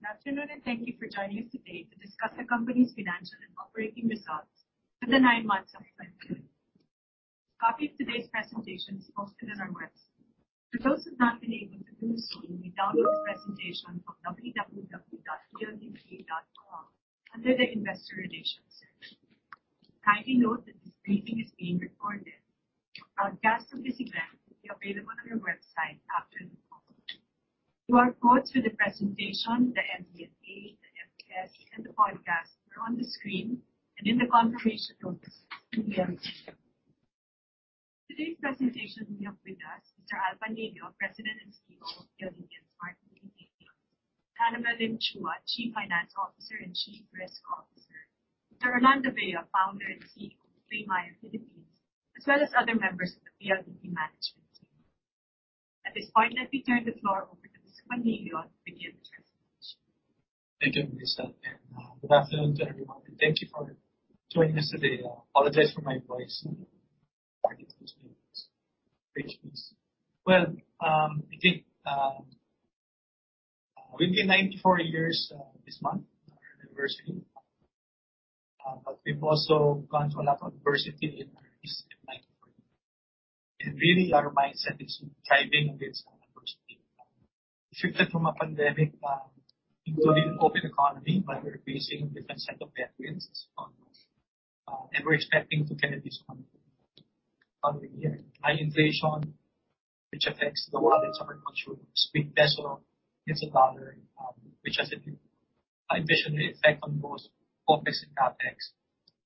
Good afternoon, and thank you for joining us today to discuss the company's financial and operating results for the nine months of 2022. A copy of today's presentation is posted on our website. For those who have not been able to do so, you may download this presentation from www.pldt.com under the Investor Relations section. Kindly note that this briefing is being recorded. A podcast of this event will be available on our website after the call. QR codes for the presentation, the MD&A, the MBS, and the podcast are on the screen and in the confirmation notice you may have received. For today's presentation, we have with us Mr. Alfredo S. Panlilio, President and CEO of Philippine Long Distance Telephone Company, Anabelle L. Chua, Chief Finance Officer and Chief Risk Officer, Mr. Orlando B. Vea, Founder and CEO of PayMaya Philippines, as well as other members of the PLDT management team. At this point, let me turn the floor over to Mr. Panlilio to begin the presentation. Thank you, Melissa, and good afternoon to everyone. Thank you for joining us today. I apologize for my voice. Next page, please. Well, I think we'll be 94 years this month. Our anniversary. We've also gone through a lot of adversity in our history of 94 years. Really our mindset is thriving against adversity. Shifted from a pandemic into an open economy, but we're facing different set of headwinds. We're expecting, at this point of the year, high inflation, which affects the wallets of our customers. Weak peso against the dollar, which has a big inflation effect on both OpEx and CapEx.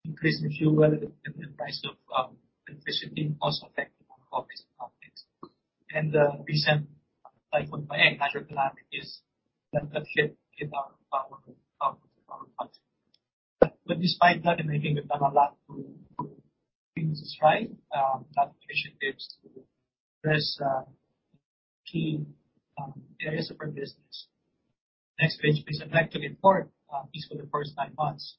Increase in fuel and the price of electricity also affecting both OpEx and CapEx. The recent Typhoon Paeng that hit our country. Despite that, I think we've done a lot to put things right. Lot of initiatives to address key areas of our business. Next page, please. Back to the report, at least for the first nine months,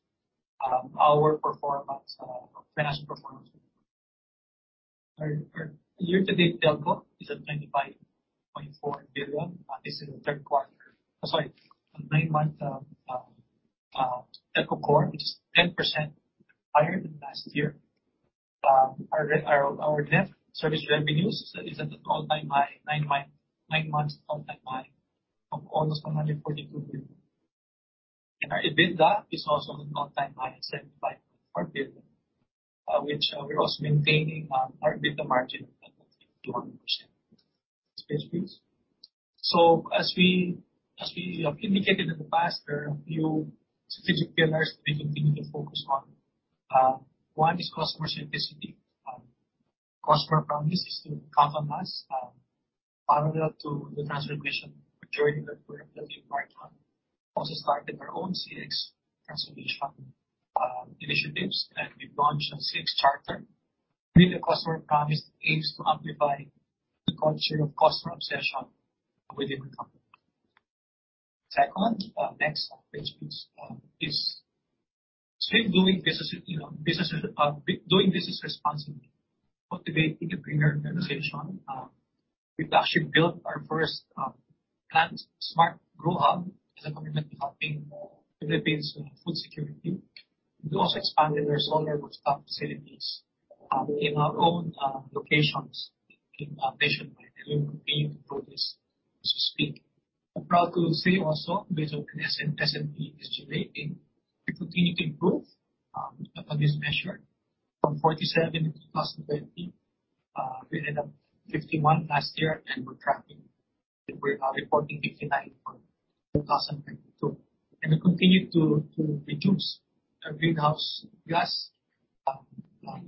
our performance, our financial performance. Our year-to-date telco is at PHP 25.4 billion. The nine-month telco core is 10% higher than last year. Our net service revenues is at an all-time high, nine-month all-time high of almost 142 billion. Our EBITDA is also an all-time high at 75.4 billion. Which we're also maintaining our EBITDA margin of almost 200%. Next page, please. As we have indicated in the past, there are a few strategic pillars we continue to focus on. One is customer centricity. Customer promise is to commit, parallel to the transformation journey that we're undertaking right now. Also started our own CX transformation initiatives, and we've launched a CX charter. Really the customer promise aims to amplify the culture of customer obsession within the company. Second, next page please, is still doing business with, you know, businesses, B2B doing business responsibly. Cultivate eco-friendlier organization. We've actually built our first PlantSmart GrowHub as a commitment to helping the Philippines' food security. We've also expanded our solar rooftop facilities in our own locations nationwide, and we will continue to do this, so to speak. I'm proud to say also based on MSCI ESG, we continue to improve on this measure from 47 in 2020. We ended up 51 last year, and we're recording 59 for 2022. We continue to reduce our greenhouse gas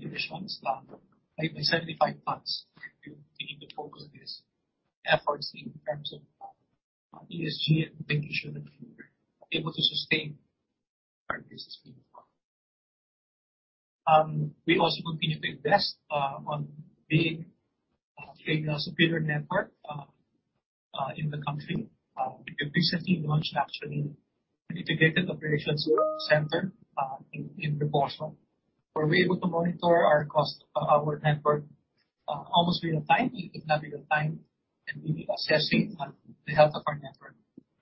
emissions by 75 tons. We continue to focus these efforts in terms of ESG and making sure that we're able to sustain our business moving forward. We also continue to invest on being the most superior network in the country. We've recently launched actually an Integrated Operations Center in Bicutan where we're able to monitor our ops, our network almost real time, if not real time, and really assessing the health of our network.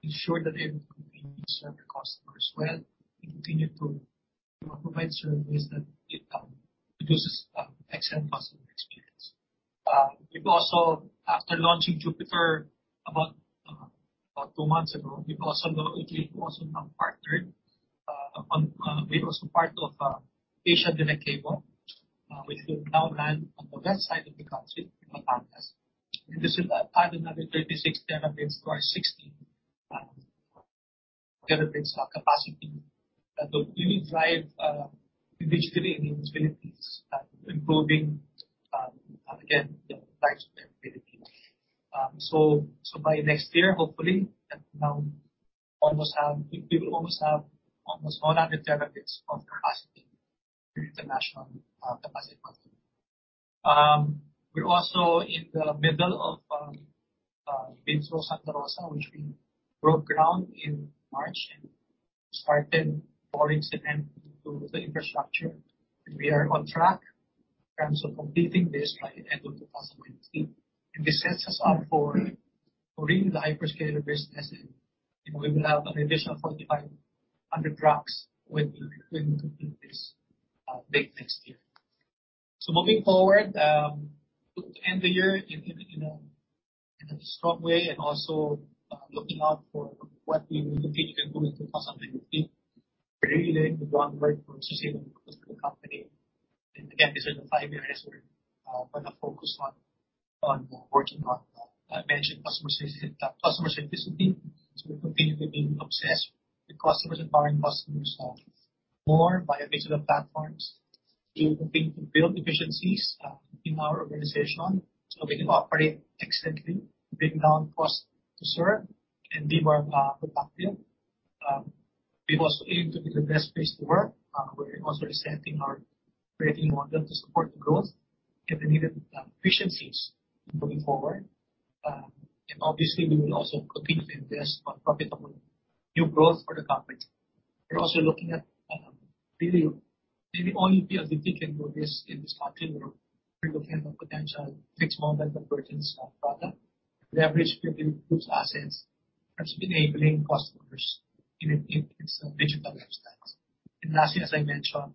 Ensure that it will continue to serve the customers well and continue to provide service that produces excellent customer experience. We've also, after launching Jupiter about 2 months ago, we're also part of Asia Direct Cable, which will now land on the west side of the country in Batangas. This will add another 36 terabits to our 60 terabits capacity that will really drive digitally in the Philippines, improving again the lives of every Filipino. By next year, hopefully we will almost have 100 terabits of capacity through international capacity. We're also in the middle of VITRO Santa Rosa, which we broke ground in March and started pouring cement to the infrastructure. We are on track in terms of completing this by the end of 2023. This sets us up for really the hyperscaler business, and we will have an additional 4,500 racks when we complete this data center next year. Moving forward, to end the year in a strong way and also looking out for what we will continue to do in 2023. Really the one word for sustaining the company. These are the five areas where the focus on working on. I mentioned customer centricity. We continue to be obsessed with customers, empowering customers more by additional platforms to continue to build efficiencies in our organization, so we can operate excellently, bring down cost to serve and be more productive. We've also aimed to be the best place to work. We're also resetting our operating model to support the growth and the needed efficiencies going forward. Obviously, we will also continue to invest in profitable new growth for the company. We're also looking at really maybe only PLDT can do this in this country. We're looking at the potential Fixed Mobile Convergence product, leveraging mobile-use assets, perhaps enabling customers in their digital lifestyles. Lastly, as I mentioned,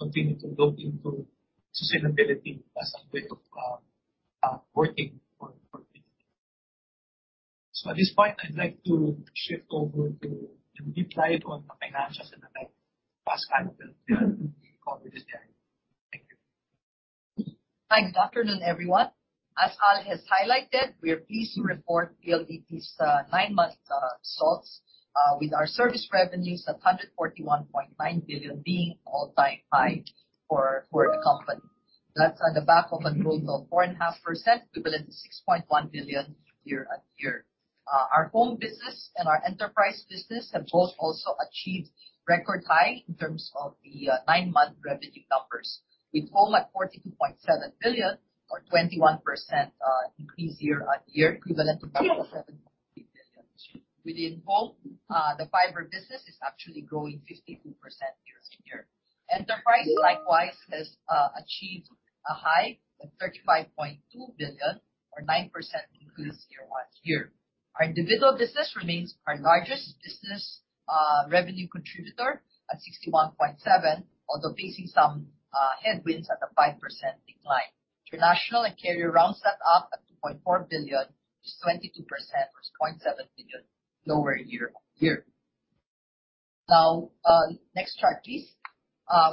continue to build into sustainability as a way of working for PLDT. At this point I'd like to shift over to the financials, and I'd like to hand it over to Anabelle Chua to cover this area. Thank you. Thanks. Good afternoon, everyone. As Al has highlighted, we are pleased to report PLDT's nine-month results with our service revenues at 141.9 billion being all-time high for the company. That's on the back of a growth of 4.5% equivalent to 6.1 billion year-on-year. Our home business and our enterprise business have both also achieved record high in terms of the nine-month revenue numbers, with Home at 42.7 billion or 21% increase year-on-year, equivalent to 12.7 billion. Within both, the fiber business is actually growing 52% year-on-year. Enterprise likewise has achieved a high of 35.2 billion or 9% increase year-on-year. Our individual business remains our largest business, revenue contributor at 61.7 billion, although facing some headwinds at a 5% decline. International and carrier rounds that up at 2.4 billion, which is 22% or 0.7 billion lower year-on-year. Now, next chart, please.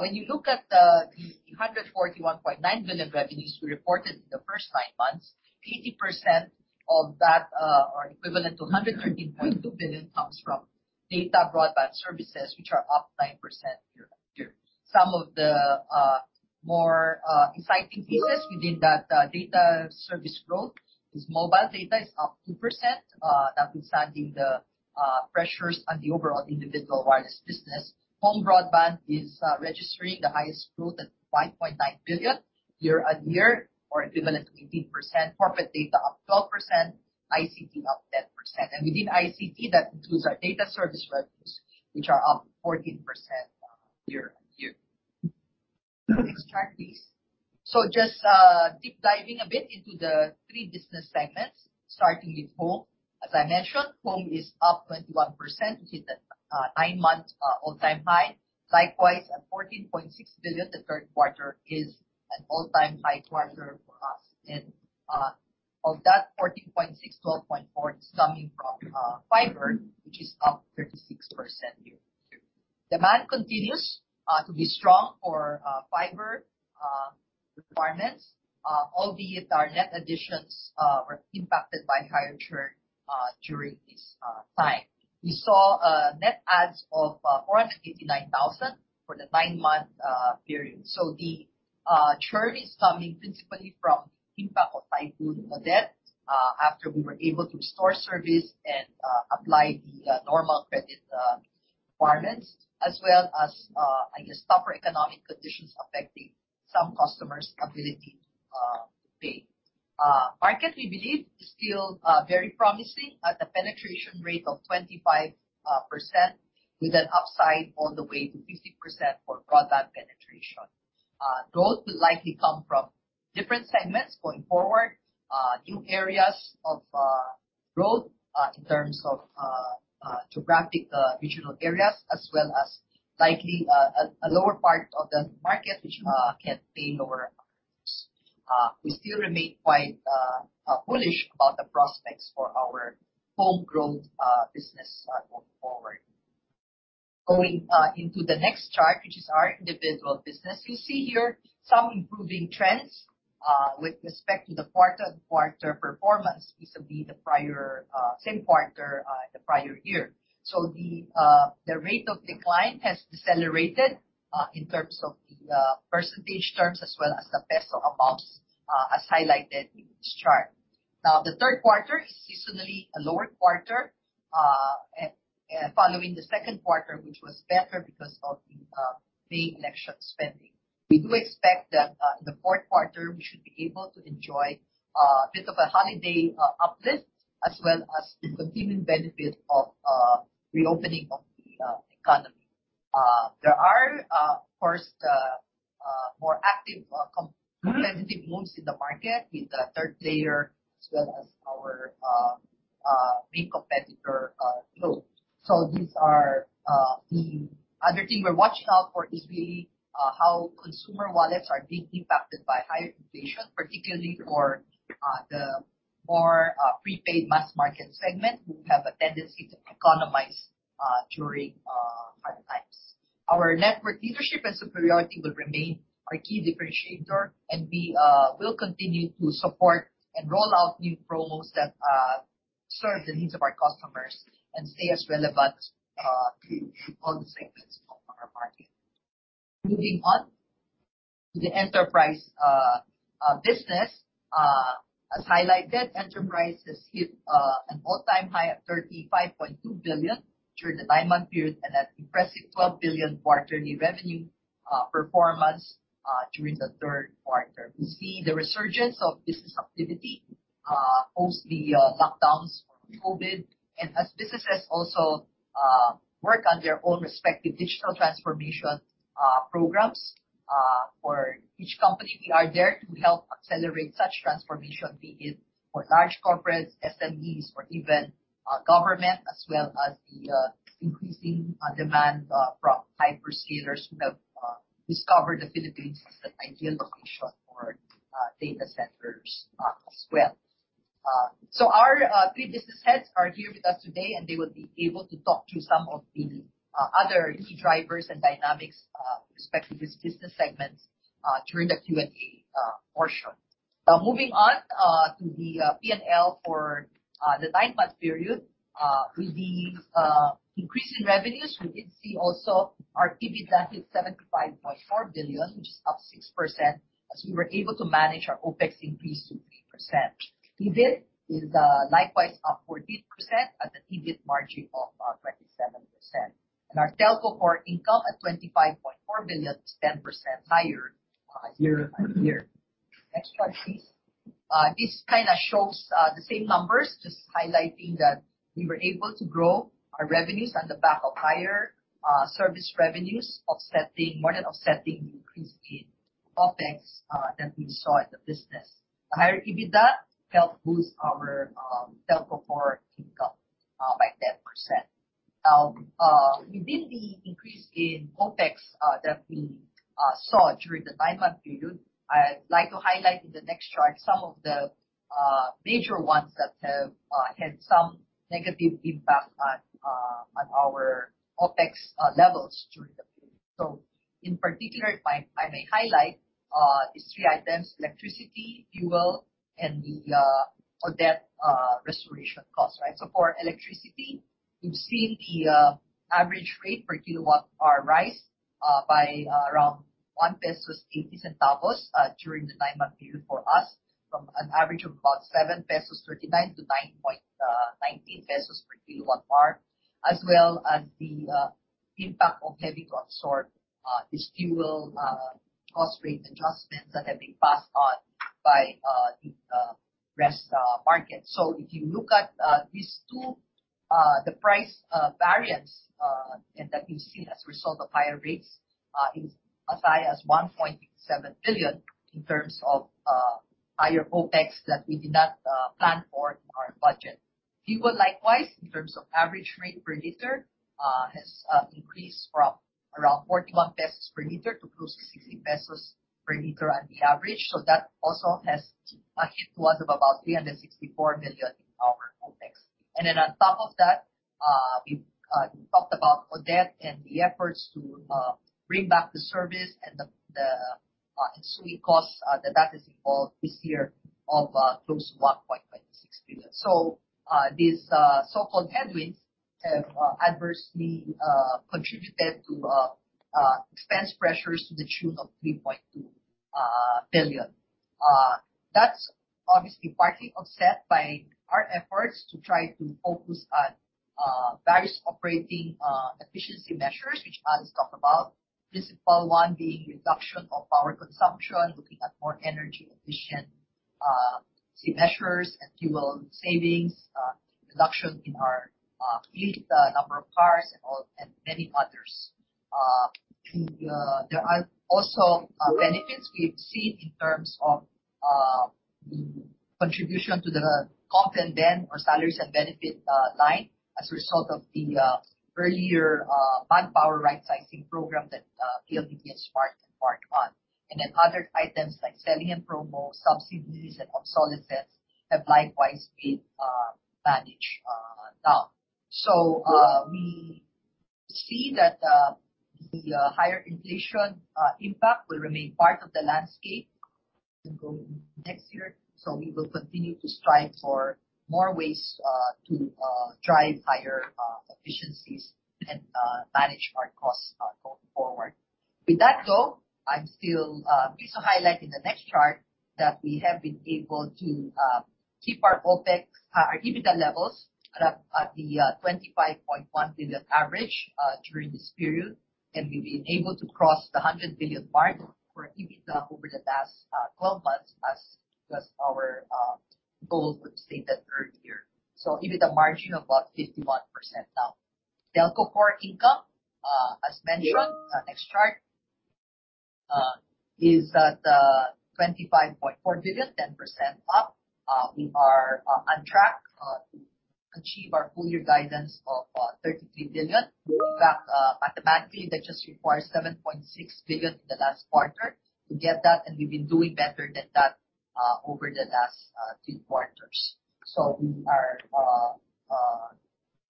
When you look at the 141.9 billion revenues we reported in the first nine months, 80% of that, or equivalent to 113.2 billion comes from data broadband services which are up 9% year-on-year. Some of the more exciting pieces within that data service growth is mobile data up 2%, notwithstanding the pressures on the overall individual wireless business. Home broadband is registering the highest growth at 5.9 billion year-on-year or equivalent to 18%. Corporate data up 12%, ICT up 10%. Within ICT, that includes our data service revenues which are up 14% year-on-year. Next chart, please. Just deep-diving a bit into the three business segments, starting with Home. As I mentioned, Home is up 21%, which is a 9-month all-time high. Likewise, at 14.6 billion, the third quarter is an all-time high quarter for us. Of that 14.6 billion, 12.4 billion is coming from fiber, which is up 36% year-on-year. Demand continues to be strong for fiber requirements, albeit our net additions were impacted by higher churn during this time. We saw net adds of 489,000 for the nine-month period. The churn is coming principally from impact of Typhoon Odette after we were able to restore service and apply the normal credit requirements. As well as, I guess tougher economic conditions affecting some customers' ability to pay. Market, we believe, is still very promising at a penetration rate of 25% with an upside all the way to 50% for broadband penetration. Growth will likely come from different segments going forward, new areas of growth in terms of geographic regional areas, as well as likely a lower part of the market which can pay lower prices. We still remain quite bullish about the prospects for our home growth business going forward. Going into the next chart, which is our individual business. You see here some improving trends with respect to the quarter-on-quarter performance vis-à-vis the prior same quarter the prior year. The rate of decline has decelerated in terms of the percentage terms as well as the peso amounts as highlighted in this chart. Now, the third quarter is seasonally a lower quarter and following the second quarter, which was better because of the May election spending. We do expect that the fourth quarter we should be able to enjoy a bit of a holiday uplift, as well as the continuing benefit of reopening of the economy. There are first more active competitive moves in the market with the third player, as well as our main competitor, Globe. These are the other thing we're watching out for is really how consumer wallets are being impacted by higher inflation, particularly for the more prepaid mass market segment, who have a tendency to economize during hard times. Our network leadership and superiority will remain our key differentiator, and we will continue to support and roll out new promos that serve the needs of our customers and stay as relevant to all the segments of our market. Moving on to the enterprise business. As highlighted, Enterprise has hit an all-time high of 35.2 billion during the nine-month period, and an impressive 12 billion quarterly revenue performance during the third quarter. We see the resurgence of business activity post the lockdowns for COVID. As businesses also work on their own respective digital transformation programs for each company, we are there to help accelerate such transformation, be it for large corporates, SMEs or even government, as well as the increasing demand from hyperscalers who have discovered the Philippines as the ideal location for data centers, as well. Our three business heads are here with us today, and they will be able to talk through some of the other key drivers and dynamics respective to these business segments during the Q&A portion. Now moving on to the P&L for the nine-month period. With the increase in revenues, we did see also our EBITDA hit 75.4 billion, which is up 6% as we were able to manage our OpEx increase to 3%. EBIT is likewise up 14% at an EBIT margin of 27%. Our telco core income at 25.4 billion is 10% higher year-on-year. Next slide, please. This kinda shows the same numbers, just highlighting that we were able to grow our revenues on the back of higher service revenues, more than offsetting the increase in OpEx that we saw in the business. The higher EBITDA helped boost our telco core income by 10%. Now, within the increase in OpEx that we saw during the nine-month period, I'd like to highlight in the next chart some of the major ones that have had some negative impact on our OpEx levels during the period. In particular, if I may highlight these three items, electricity, fuel, and the Odette restoration costs, right? For electricity, we've seen the average rate per kWh rise by around 1.80 peso during the 9-month period for us from an average of about 7.39 pesos to 9.19 pesos per kWh. As well as the impact of higher costs, this fuel cost rate adjustments that have been passed on by the retail market. If you look at these two, the price variance and that we've seen as a result of higher rates is as high as 1.7 billion in terms of higher OpEx that we did not plan for in our budget. Fuel, likewise, in terms of average rate per liter has increased from around 41 pesos per liter to close to 60 pesos per liter on the average. That also has added to our about 364 million in our OpEx. Then on top of that, we've talked about Odette and the efforts to bring back the service and the ensuing costs that is involved this year of close to 1.26 billion. These so-called headwinds have adversely contributed to expense pressures to the tune of 3.2 billion. That's obviously partly offset by our efforts to try to focus on various operating efficiency measures, which Al Panlilio talked about. Principal one being reduction of power consumption, looking at more energy efficient CPE measures and fuel savings, reduction in our fleet number of cars and many others. There are also benefits we've seen in terms of the contribution to the Comp. & Ben. or salaries and benefits line as a result of the earlier Manpower rightsizing program that PLDT has partnered on. Other items like selling and promo subsidies and obsolescence have likewise been managed down. We see that the higher inflation impact will remain part of the landscape going next year. We will continue to strive for more ways to drive higher efficiencies and manage our costs going forward. With that goal, I'm pleased to highlight in the next chart that we have been able to keep our OpEx, our EBITDA levels at the 25.1 billion average during this period. We've been able to cross the 100 billion mark for EBITDA over the last 12 months as our goals were stated earlier. EBITDA margin of about 51% now. Telco core income, as mentioned, next chart, is at 25.4 billion, 10% up. We are on track to achieve our full year guidance of 33 billion. Mathematically, that just requires 7.6 billion in the last quarter to get that, and we've been doing better than that over the last two quarters. We are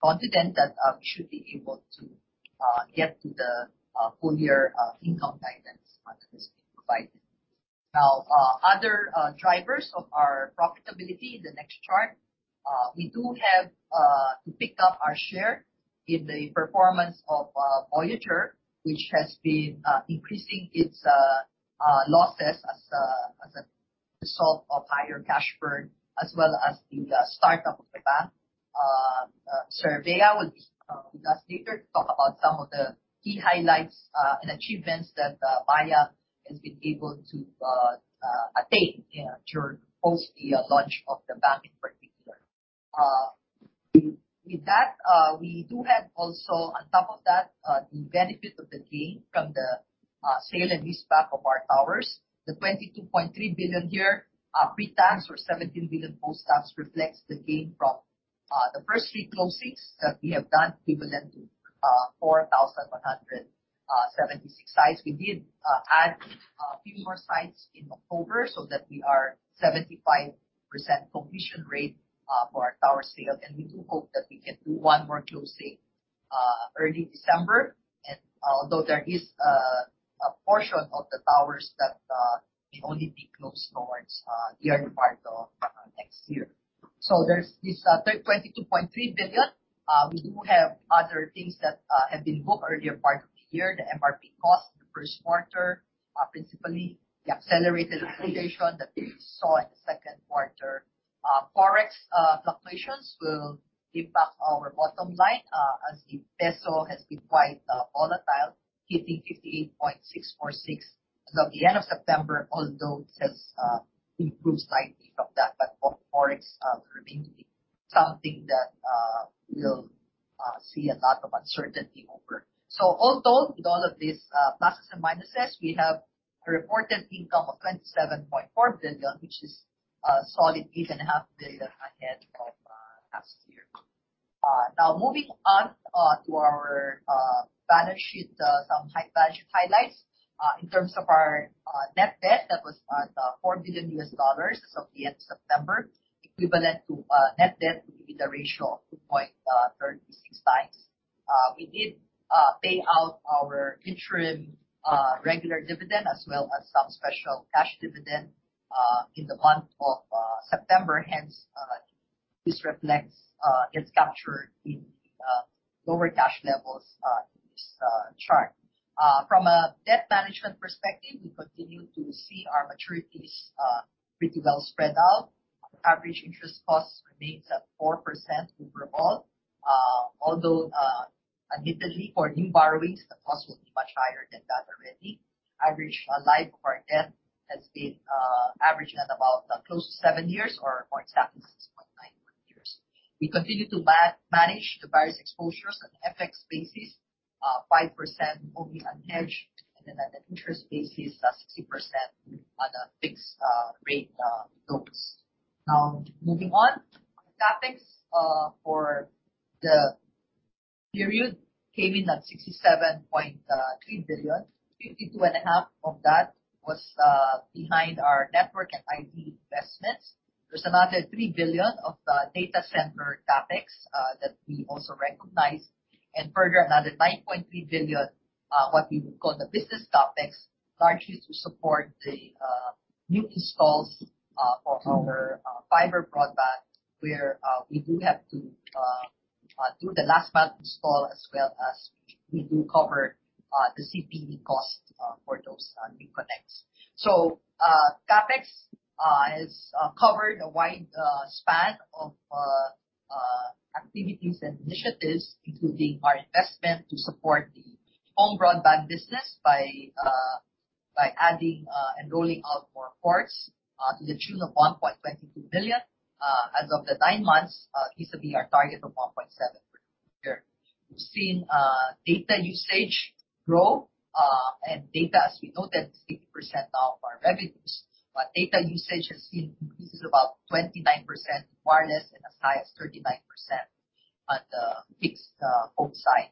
confident that we should be able to get to the full year income guidance that has been provided. Now, other drivers of our profitability, the next chart. We do have to pick up our share in the performance of Voyager, which has been increasing its losses as a result of higher cash burn, as well as the startup of the bank. Orlando Vea will be with us later to talk about some of the key highlights and achievements that Maya has been able to attain during post the launch of the bank in particular. With that, we do have also on top of that the benefit of the gain from the sale and leaseback of our towers. The 22.3 billion here, pre-tax or 17 billion post-tax reflects the gain from the first three closings that we have done equivalent to 4,176 sites. We did add a few more sites in October so that we are 75% completion rate for our tower sale. We do hope that we can do one more closing early December. Although there is a portion of the towers that can only be closed towards the early part of next year. There's this 22.3 billion. We do have other things that have been booked earlier part of the year, the MRP cost in the first quarter, principally the accelerated depreciation that we saw in the second quarter. Forex fluctuations will give back our bottom line as the peso has been quite volatile, hitting 58.646 as of the end of September, although it has improved slightly from that. Forex remains to be something that we'll see a lot of uncertainty over. All told, with all of these pluses and minuses, we have a reported income of 27.4 billion, which is a solid 8.5 billion ahead of last year. Now moving on to our balance sheet, some key balance sheet highlights. In terms of our net debt, that was $4 billion as of the end of September, equivalent to a net debt to EBITDA ratio of 2.36x. We did pay out our interim regular dividend as well as some special cash dividend in the month of September. Hence, this reflects, gets captured in the lower cash levels in this chart. From a debt management perspective, we continue to see our maturities pretty well spread out. Our average interest costs remains at 4% overall. Although admittedly for new borrowings, the cost will be much higher than that already. Average life of our debt has been averaging at about close to seven years or more exactly 6.9 years. We continue to manage the various exposures on FX basis, 5% only unhedged and then at an interest basis that's 60% on a fixed rate basis. Now, moving on. CapEx for the period came in at 67.3 billion. 52.5 of that was behind our network and IT investments. There's another 3 billion of data center CapEx that we also recognized. Further another 9.3 billion, what we would call the business CapEx, largely to support the new installs of our fiber broadband, where we do have to do the last mile install as well as we do cover the CPE cost for those new connects. CapEx has covered a wide span of activities and initiatives, including our investment to support the home broadband business by adding and rolling out more ports to the tune of 1.22 billion as of the 9 months vis-à-vis our target of 1.7 per year. We've seen data usage grow and data, as we noted, is 50% now of our revenues. Data usage has seen increases about 29% wireless and as high as 39% on the fixed home side.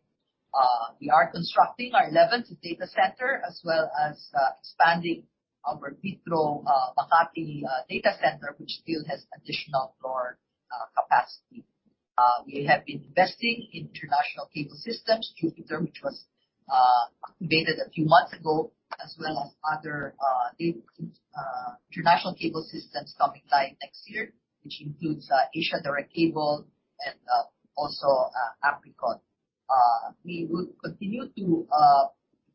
We are constructing our 11th data center as well as expanding our Vitro Makati data center, which still has additional floor capacity. We have been investing in international cable systems, Jupiter, which was activated a few months ago, as well as other international cable systems coming live next year, which includes Asia Direct Cable, also Apricot. We will continue to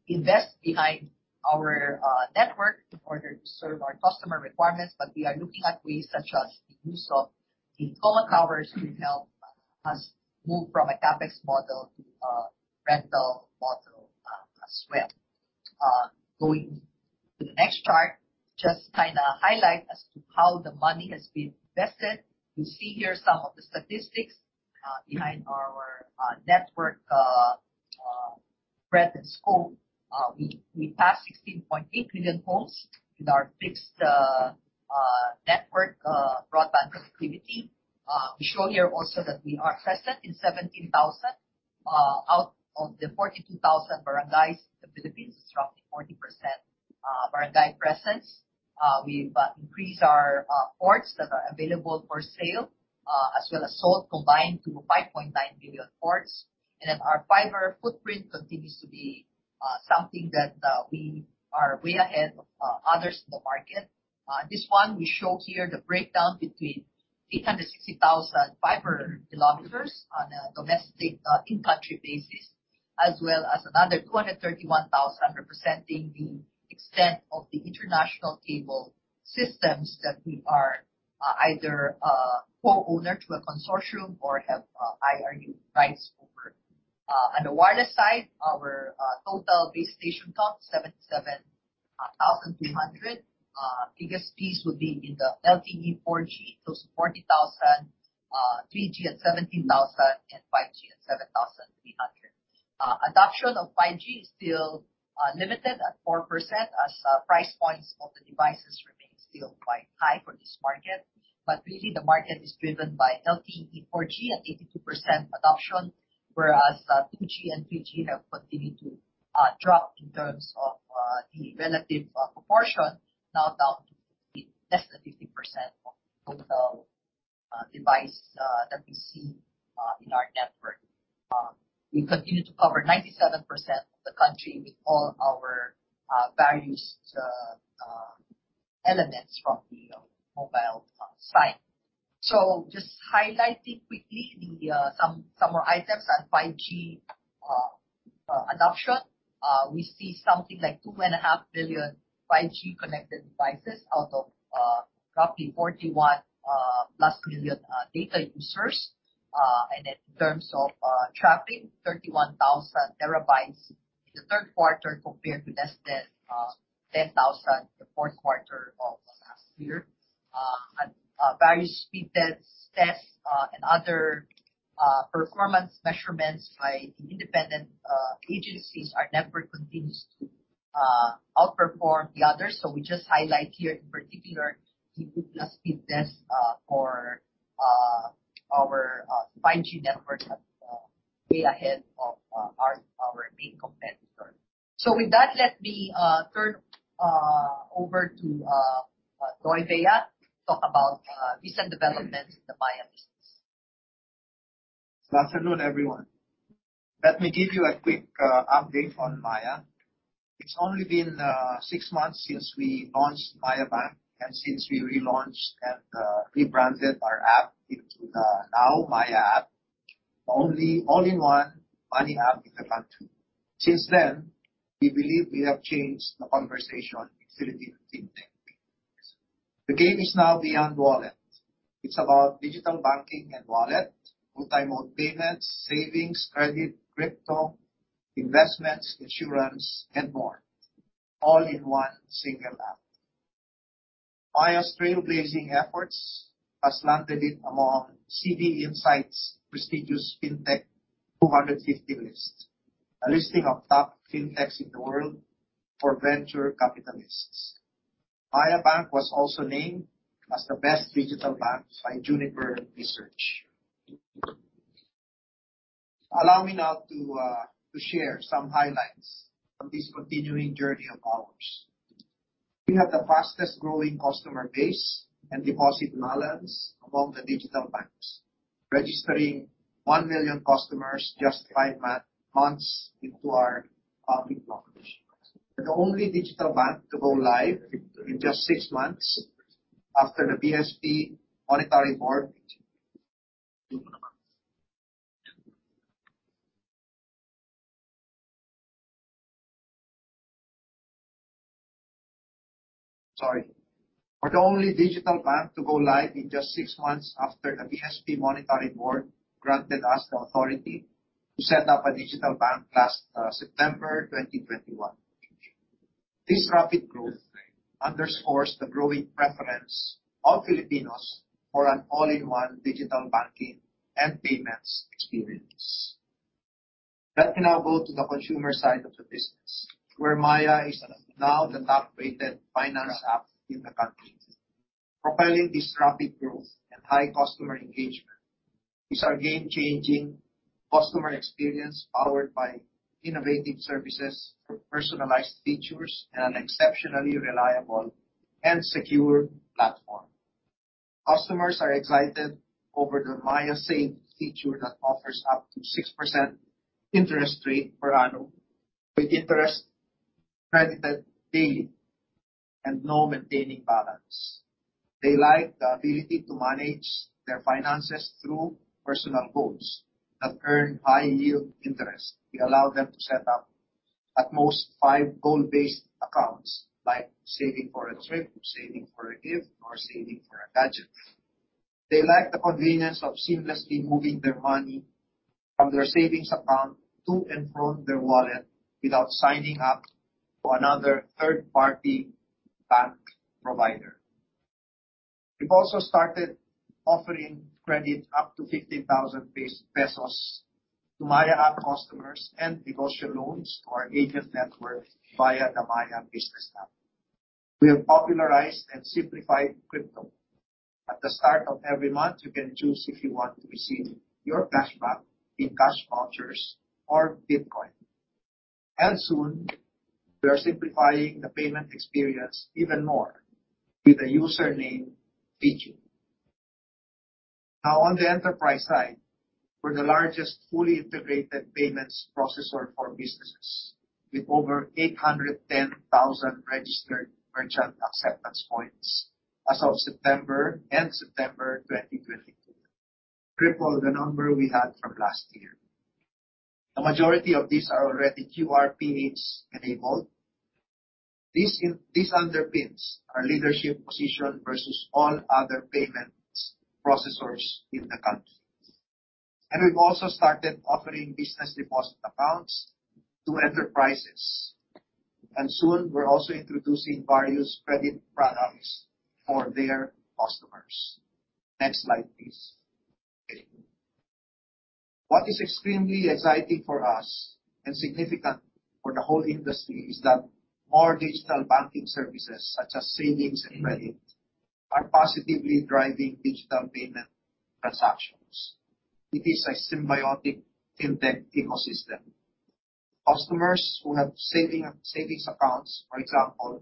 invest in our network in order to serve our customer requirements, but we are looking at ways such as the use of co-location to help us move from a CapEx model to a rental model, as well. Going to the next chart, just kinda highlight as to how the money has been invested. You see here some of the statistics behind our network breadth and scope. We passed 16.8 million homes with our fixed network broadband connectivity. We show here also that we are present in 17,000 out of the 42,000 barangays in the Philippines. It's roughly 40% barangay presence. We've increased our ports that are available for sale as well as sold, combined to 5.9 million ports. Our fiber footprint continues to be something that we are way ahead of others in the market. This one we show here the breakdown between 860,000 fiber kilometers on a domestic, in-country basis, as well as another 231,000 representing the extent of the international cable systems that we are either a co-owner to a consortium or have IRU rights over. On the wireless side, our total base station count, 77,300. Biggest piece would be in the LTE/4G, close to 40,000, 3G at 17,000, and 5G at 7,300. Adoption of 5G is still limited at 4% as price points of the devices remain still quite high for this market. Really the market is driven by LTE/4G at 82% adoption, whereas 2G and 3G have continued to drop in terms of the relative proportion now down to less than 50% of total device that we see in our network. We continue to cover 97% of the country with all our various elements from the mobile side. Just highlighting quickly some more items on 5G adoption. We see something like 2.5 billion 5G connected devices out of roughly 41+ million data users. In terms of traffic, 31,000 terabytes in the third quarter compared to less than 10,000 in the fourth quarter of last year. On various speed tests and other performance measurements by independent agencies, our network continues to outperform the others. We just highlight here in particular the Ookla Speedtest for our 5G network that's way ahead of our main competitor. With that, let me turn over to Shailesh Baidwan to talk about recent developments in the Maya business. Good afternoon, everyone. Let me give you a quick update on Maya. It's only been 6 months since we launched Maya Bank and since we relaunched and rebranded our app into the new Maya app, the only all-in-one money app in the country. Since then, we believe we have changed the conversation in Philippine fintech. The game is now beyond wallet. It's about digital banking and wallet, multi-mode payments, savings, credit, crypto, investments, insurance, and more, all in one single app. Maya's trailblazing efforts has landed it among CB Insights' prestigious Fintech 250 list, a listing of top fintechs in the world for venture capitalists. Maya Bank was also named as the best digital bank by Juniper Research. Allow me now to share some highlights of this continuing journey of ours. We have the fastest growing customer base and deposit balance among the digital banks, registering 1 million customers just five months into our public launch. We're the only digital bank to go live in just six months after the BSP Monetary Board granted us the authority to set up a digital bank last September 2021. This rapid growth underscores the growing preference of Filipinos for an all-in-one digital banking and payments experience. Let me now go to the consumer side of the business, where Maya is now the top-rated finance app in the country. Propelling this rapid growth and high customer engagement is our game-changing customer experience powered by innovative services, personalized features, and an exceptionally reliable and secure platform. Customers are excited over the Maya Savings feature that offers up to 6% interest rate per annum, with interest credited daily. No maintaining balance. They like the ability to manage their finances through personal goals that earn high yield interest. We allow them to set up at most five goal-based accounts, like saving for a trip, saving for a gift, or saving for a gadget. They like the convenience of seamlessly moving their money from their savings account to and from their wallet without signing up for another third party bank provider. We've also started offering credit up to 50,000 pesos to Maya app customers and negosyo loans to our agent network via the Maya Business app. We have popularized and simplified crypto. At the start of every month, you can choose if you want to receive your cashback in cash vouchers or Bitcoin. Soon, we are simplifying the payment experience even more with a username feature. Now, on the enterprise side, we're the largest fully integrated payments processor for businesses with over 810,000 registered merchant acceptance points as of end-September 2022, triple the number we had from last year. The majority of these are already QR Ph-based enabled. This underpins our leadership position versus all other payments processors in the country. We've also started offering business deposit accounts to enterprises. Soon, we're also introducing various credit products for their customers. Next slide, please. Thank you. What is extremely exciting for us and significant for the whole industry is that more digital banking services, such as savings and credit, are positively driving digital payment transactions. It is a symbiotic FinTech ecosystem. Customers who have savings accounts, for example,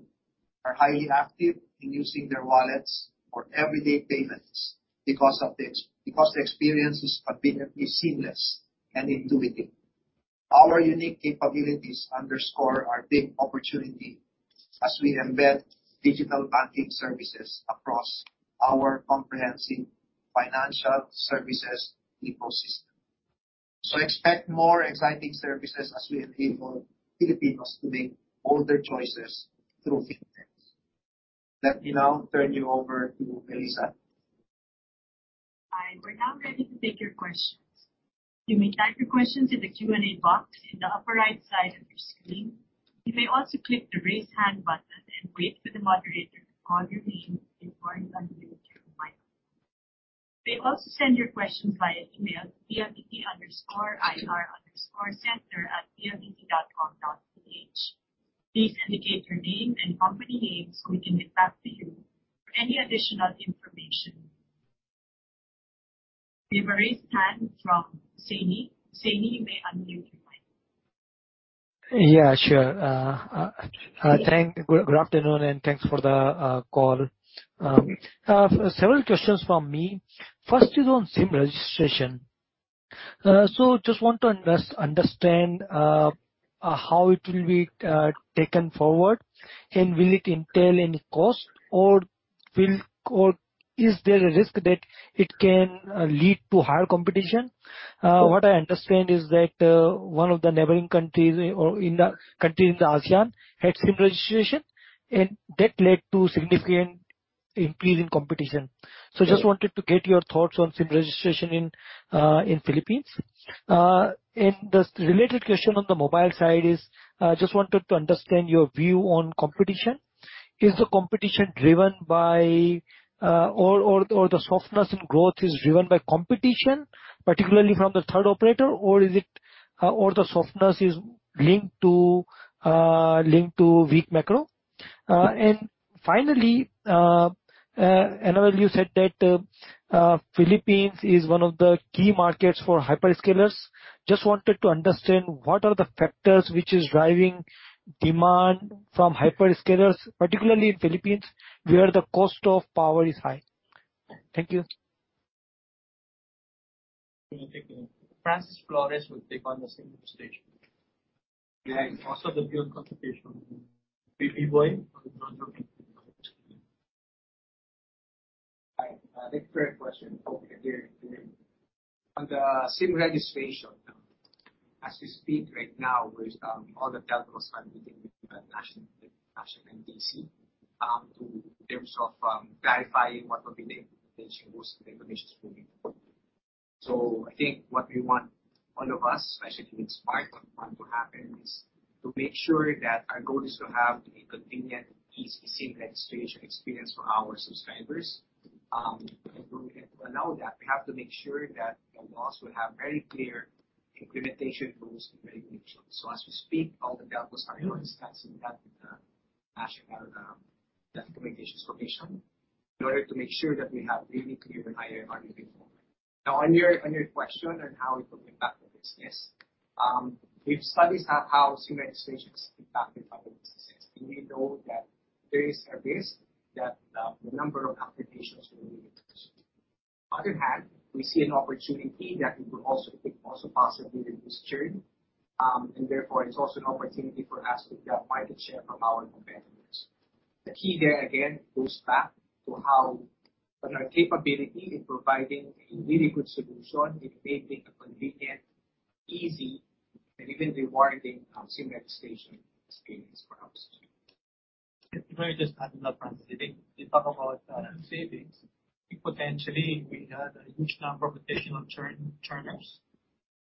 are highly active in using their wallets for everyday payments because the experience is conveniently seamless and intuitive. Our unique capabilities underscore our big opportunity as we embed digital banking services across our comprehensive financial services ecosystem. Expect more exciting services as we enable Filipinos to make all their choices through FinTech. Let me now turn you over to Melissa. Hi. We're now ready to take your questions. You may type your questions in the Q&A box in the upper right side of your screen. You may also click the Raise Hand button and wait for the moderator to call your name before you unmute your microphone. You may also send your questions via email to PLDT underscore IR underscore center at pldt.com.ph. Please indicate your name and company name so we can get back to you for any additional information. We have a raised hand from Hussaini Saifee. Hussaini Saifee, you may unmute your mic. Yeah, sure. Good afternoon, and thanks for the call. Several questions from me. First is on SIM registration. Just want to understand how it will be taken forward, and will it entail any cost or is there a risk that it can lead to higher competition? What I understand is that one of the neighboring countries or in the countries in the ASEAN had SIM registration, and that led to significant increase in competition. Just wanted to get your thoughts on SIM registration in the Philippines. The related question on the mobile side is just wanted to understand your view on competition. Is the competition driven by or the softness in growth is driven by competition, particularly from the third operator? Is the softness linked to weak macro? And finally, another, you said that Philippines is one of the key markets for hyperscalers. Just wanted to understand what are the factors which is driving demand from hyperscalers, particularly in Philippines, where the cost of power is high. Thank you. Fantastic. Francis Flores will take on the SIM registration. Yeah. Also the view on competition. Boy Martirez Hi. That's a great question. Hope you can hear me. On the SIM registration, as we speak right now, all the telcos are meeting with the national NTC in terms of clarifying what will be the implementation rules and regulations moving forward. I think what we want all of us, especially in Smart, want to happen is to make sure that our goal is to have a convenient, easy SIM registration experience for our subscribers. We're gonna allow that. We have to make sure that the laws will have very clear implementation rules and regulations. As we speak, all the telcos are discussing that with the National Telecommunications Commission in order to make sure that we have really clear and ironed out before. Now, on your question on how it will impact the business, we've studied how SIM registration has impacted other businesses. We know that there is a risk that the number of applications will be. On the other hand, we see an opportunity that we could also take possibly the industry. Therefore, it's also an opportunity for us to grab market share from our competitors. The key there, again, goes back to how our capability in providing a really good solution that may make a convenient, easy, and even rewarding SIM registration experience for our subscribers. If I just add to that, Francis. I think you talk about savings. Potentially we have a huge number of potential turnovers,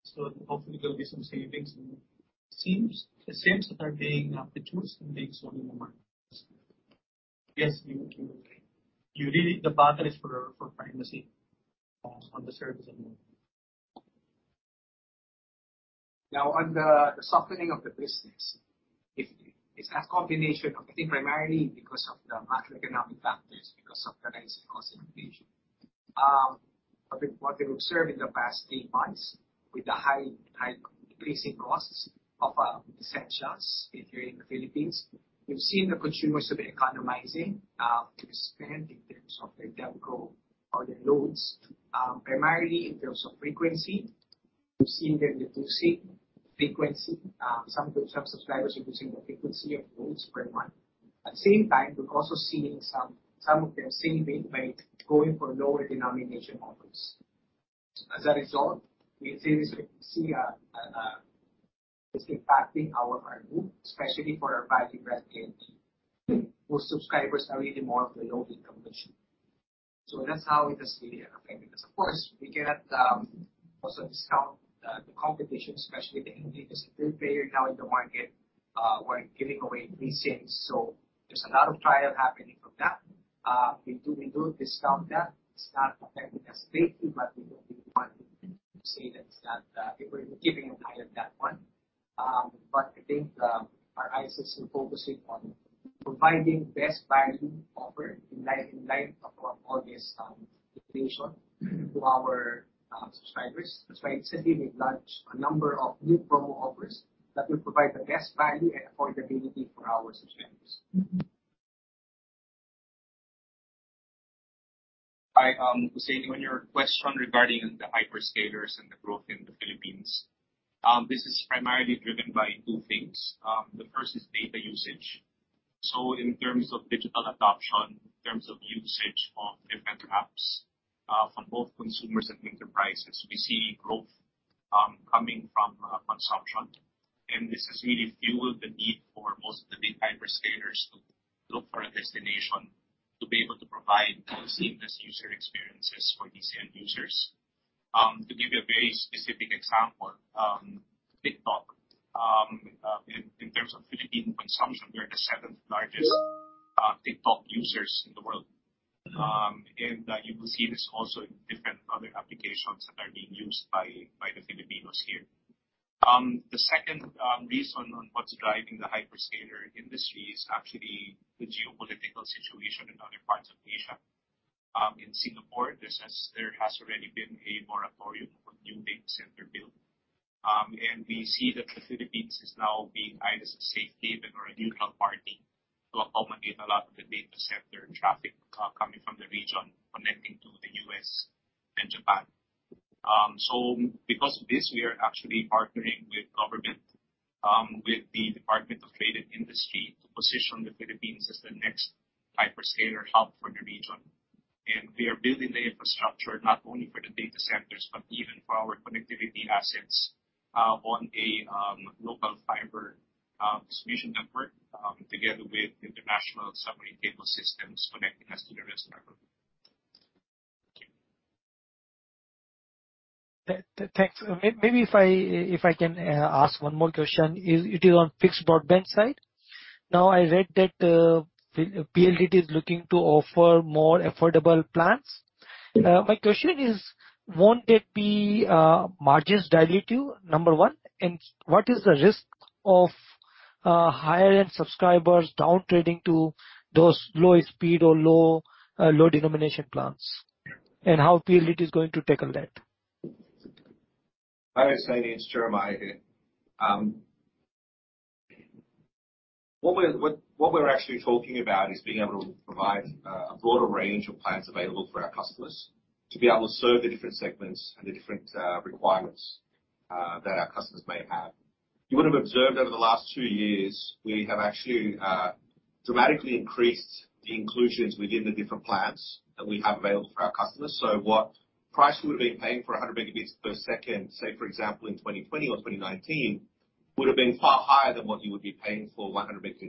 so hopefully there'll be some savings. SIMs, the SIMs that are being reused in the economy. Yes, you're really the battle is for primacy on the service and. Now, on the softening of the business, it's a combination of I think primarily because of the macroeconomic factors, because of the rising cost of inflation. What we observed in the past three months with the high increasing costs of essentials here in the Philippines, we've seen the consumers to be economizing to spend in terms of their data go or their loads. Primarily in terms of frequency, we've seen them reducing frequency. Some good subscribers reducing the frequency of loads per month. At the same time, we've also seen some of them saving by going for lower denomination offers. As a result, we see this. It's impacting our group, especially for our value brand, TNT, whose subscribers are really more of the low-income segment. That's how we just see it affecting us. Of course, we cannot also discount the competition, especially the DITO player now in the market, who are giving away free SIMs. There's a lot of trial happening from that. We do discount that. It's not affecting us greatly, but we don't really want to say that it's not. People are keeping an eye on that one. I think our eyes are still focusing on providing best value offer in light of all this inflation to our subscribers. That's why recently we've launched a number of new promo offers that will provide the best value and affordability for our subscribers. Hi, Hussaini. On your question regarding the hyperscalers and the growth in the Philippines, this is primarily driven by two things. The first is data usage. In terms of digital adoption, in terms of usage of different apps, from both consumers and enterprises, we see growth coming from consumption. This has really fueled the need for most of the big hyperscalers to look for a destination to be able to provide seamless user experiences for these end users. To give you a very specific example, TikTok, in terms of Philippine consumption, we are the seventh largest TikTok users in the world. You will see this also in different other applications that are being used by the Filipinos here. The second reason on what's driving the hyperscaler industry is actually the geopolitical situation in other parts of Asia. In Singapore, there has already been a moratorium on new data center build. We see that the Philippines is now being eyed as a safe haven or a neutral party to accommodate a lot of the data center traffic coming from the region connecting to the U.S. and Japan. Because of this, we are actually partnering with government with the Department of Trade and Industry to position the Philippines as the next hyperscaler hub for the region. We are building the infrastructure not only for the data centers, but even for our connectivity assets on a local fiber distribution network together with international submarine cable systems connecting us to the rest of the world. Thanks. Maybe if I can ask one more question. It is on fixed broadband side. Now, I read that PLDT is looking to offer more affordable plans. My question is, won't it be margins dilutive? Number one. What is the risk of higher-end subscribers downtrading to those lower speed or low denomination plans? How PLDT is going to tackle that? Hi, Hussaini. It's Jeremiah here. What we're actually talking about is being able to provide a broader range of plans available for our customers to be able to serve the different segments and the different requirements that our customers may have. You would have observed over the last two years, we have actually dramatically increased the inclusions within the different plans that we have available for our customers. What price you would have been paying for 100 Mbps, say for example in 2020 or 2019, would have been far higher than what you would be paying for 100 Mbps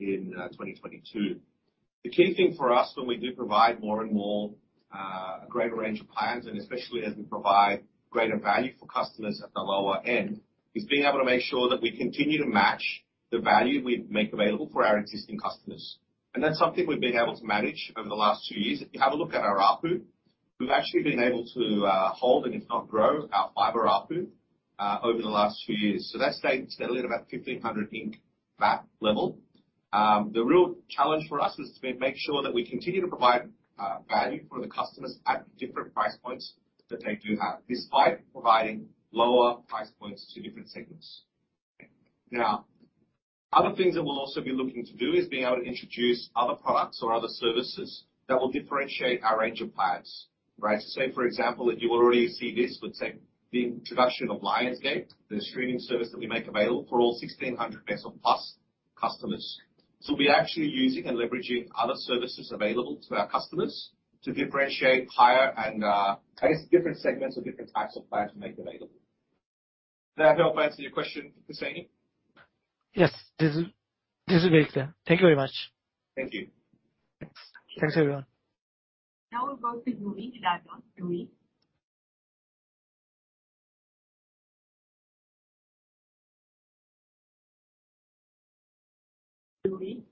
in 2022. The key thing for us when we do provide more and more, a greater range of plans, and especially as we provide greater value for customers at the lower end, is being able to make sure that we continue to match the value we make available for our existing customers. That's something we've been able to manage over the last two years. If you have a look at our ARPU, we've actually been able to hold if not grow our fiber ARPU over the last few years. That's stayed steadily at about 1,500, that level. The real challenge for us is to make sure that we continue to provide value for the customers at different price points that they do have, despite providing lower price points to different segments. Now, other things that we'll also be looking to do is being able to introduce other products or other services that will differentiate our range of plans, right? Say, for example, that you already see this with, say, the introduction of Lionsgate, the streaming service that we make available for all 1,600 plus customers. We're actually using and leveraging other services available to our customers to differentiate higher and, I guess different segments or different types of plans to make available. Did that help answer your question, Husseini? Yes. This is great, sir. Thank you very much. Thank you. Thanks. Thanks, everyone. Now we'll go to Luis. Luis? Let's go to Richard then first. Oh, hello. Luis. Hey, Melissa de Dios. Sorry. Yeah, I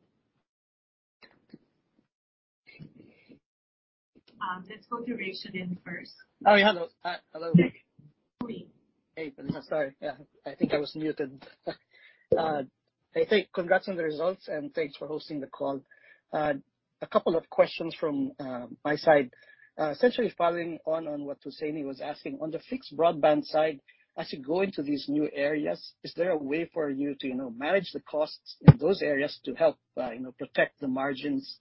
think I was muted. Hey, thanks. Congrats on the results, and thanks for hosting the call. A couple of questions from my side. Essentially following on what Husseini Saifee was asking, on the fixed broadband side, as you go into these new areas, is there a way for you to, you know, manage the costs in those areas to help, you know, protect the margins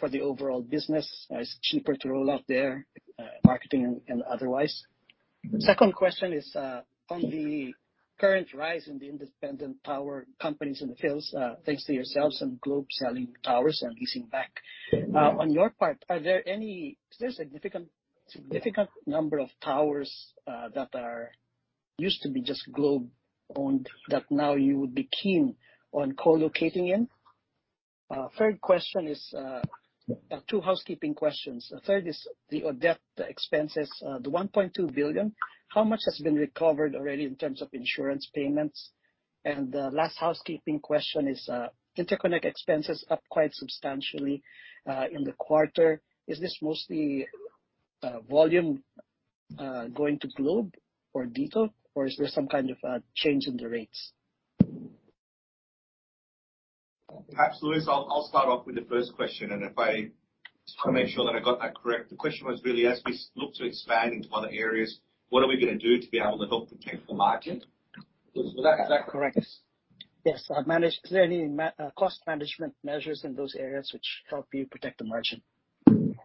for the overall business? Is it cheaper to roll out there marketing and otherwise? Second question is on the current rise in the independent tower companies in the Phils, thanks to yourselves and Globe selling towers and leasing back. On your part, is there a significant number of towers that used to be just Globe-owned that now you would be keen on co-locating in? Third question is two housekeeping questions. The third is the OpEx expenses, the 1.2 billion, how much has been recovered already in terms of insurance payments? And the last housekeeping question is, interconnect expenses up quite substantially in the quarter. Is this mostly volume going to Globe or DITO, or is there some kind of change in the rates? Perhaps, Luis, I'll start off with the first question, and if I just wanna make sure that I got that correct. The question was really, as we look to expand into other areas, what are we gonna do to be able to help protect the margin? Was that correct? Yes. Is there any cost management measures in those areas which help you protect the margin?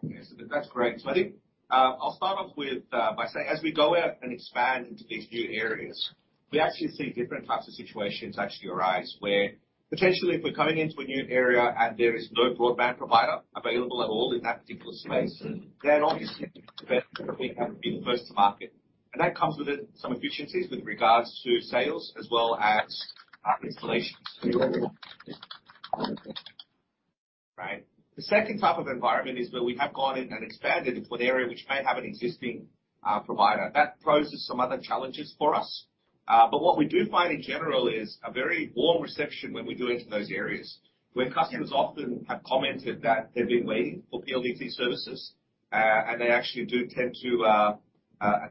Yes. That's correct. I think I'll start off with by saying as we go out and expand into these new areas, we actually see different types of situations actually arise, where potentially if we're coming into a new area and there is no broadband provider available at all in that particular space, then obviously we have been first to market. That comes with some efficiencies with regards to sales as well as installations. Right. The second type of environment is where we have gone in and expanded into an area which may have an existing provider. That poses some other challenges for us. What we do find in general is a very warm reception when we do enter those areas, where customers often have commented that they've been waiting for PLDT services, and they actually do tend to,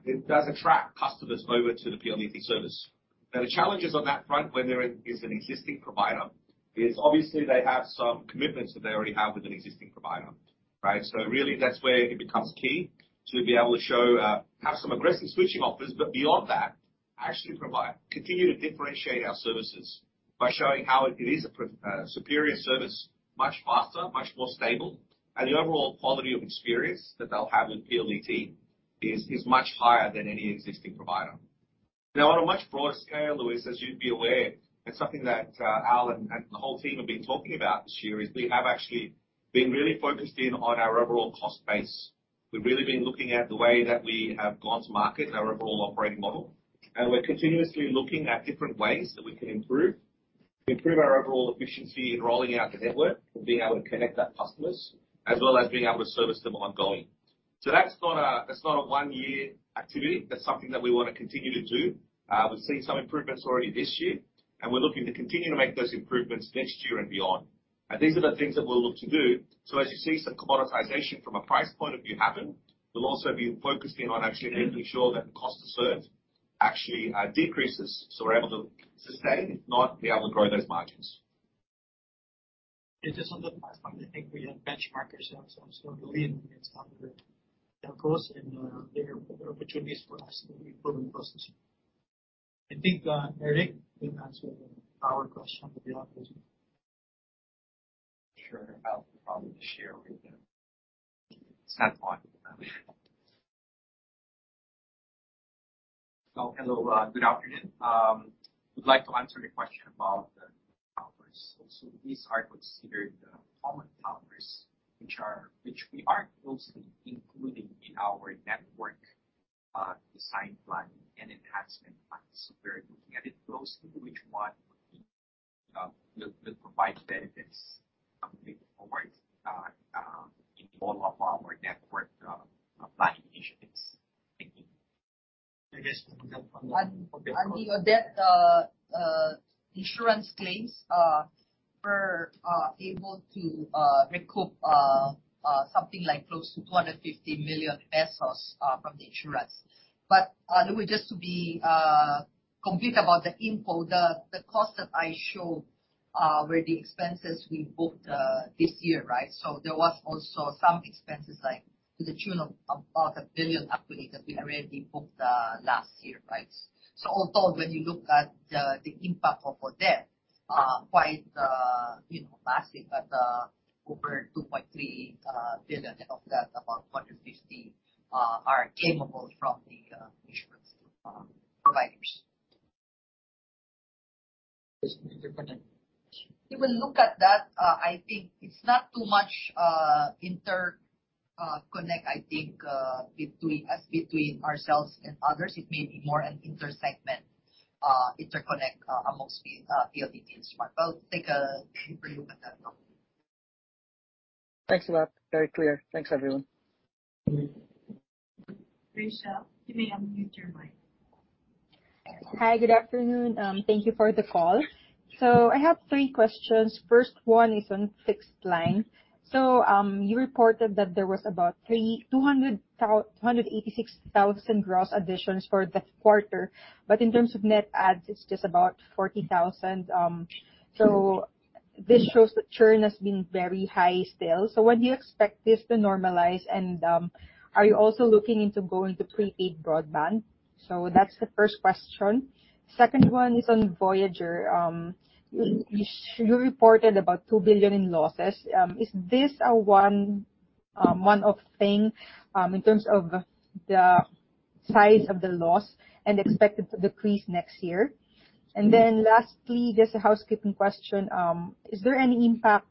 it does attract customers over to the PLDT service. Now, the challenges on that front when there is an existing provider is obviously they have some commitments that they already have with an existing provider, right? Really that's where it becomes key to be able to show, have some aggressive switching offers, but beyond that, actually provide, continue to differentiate our services by showing how it is a superior service, much faster, much more stable, and the overall quality of experience that they'll have with PLDT is much higher than any existing provider. Now, on a much broader scale, Luis, as you'd be aware, it's something that Al and the whole team have been talking about this year, is we have actually been really focused in on our overall cost base. We've really been looking at the way that we have gone to market and our overall operating model, and we're continuously looking at different ways that we can improve our overall efficiency in rolling out the network and being able to connect our customers, as well as being able to service them ongoing. That's not a one-year activity. That's something that we wanna continue to do. We've seen some improvements already this year, and we're looking to continue to make those improvements next year and beyond. These are the things that we'll look to do. As you see some commoditization from a price point of view happen, we'll also be focusing on actually making sure that the cost to serve actually decreases, so we're able to sustain, if not be able to grow those margins. It is on the price point. I think we have benchmarked ourselves, so I'm still believing it's under the cost and there are opportunities for us to improve in the process. I think, Arthur Pineda will answer the tower question on your other question. Sure. I'll probably just share with you. It's not on. Oh, hello. Good afternoon. Would like to answer the question about the towers. These are considered common towers, which we are closely including in our network design plan and enhancement plan. We're looking at it closely, which one will provide benefits before it's in all of our network planning initiatives. Thank you. On the Odette insurance claims, we're able to recoup something like close to 250 million pesos from the insurance. Luis, just to be complete about the info, the cost that I showed were the expenses we booked this year, right? There was also some expenses like to the tune of about 1 billion actually that we already booked last year, right? Although when you look at the impact of Odette, quite you know massive at over 2.3 billion. Of that, about 150 million are claimable from the insurance providers. interconnect. If we look at that, I think it's not too much interconnect, I think, between ourselves and others. It may be more an intersegment interconnect amongst the PLDT and Smart. I'll take a deeper look at that, though. Thanks a lot. Very clear. Thanks, everyone. Rachel, you may unmute your mic. Hi, good afternoon. Thank you for the call. I have three questions. First one is on fixed line. You reported that there was about 286,000 gross additions for the quarter, but in terms of net adds, it's just about 40,000. This shows that churn has been very high still. When do you expect this to normalize? Are you also looking into going to prepaid broadband? That's the first question. Second one is on Voyager. You reported about 2 billion in losses. Is this a one-off thing in terms of the size of the loss and expected to decrease next year? Lastly, just a housekeeping question. Is there any impact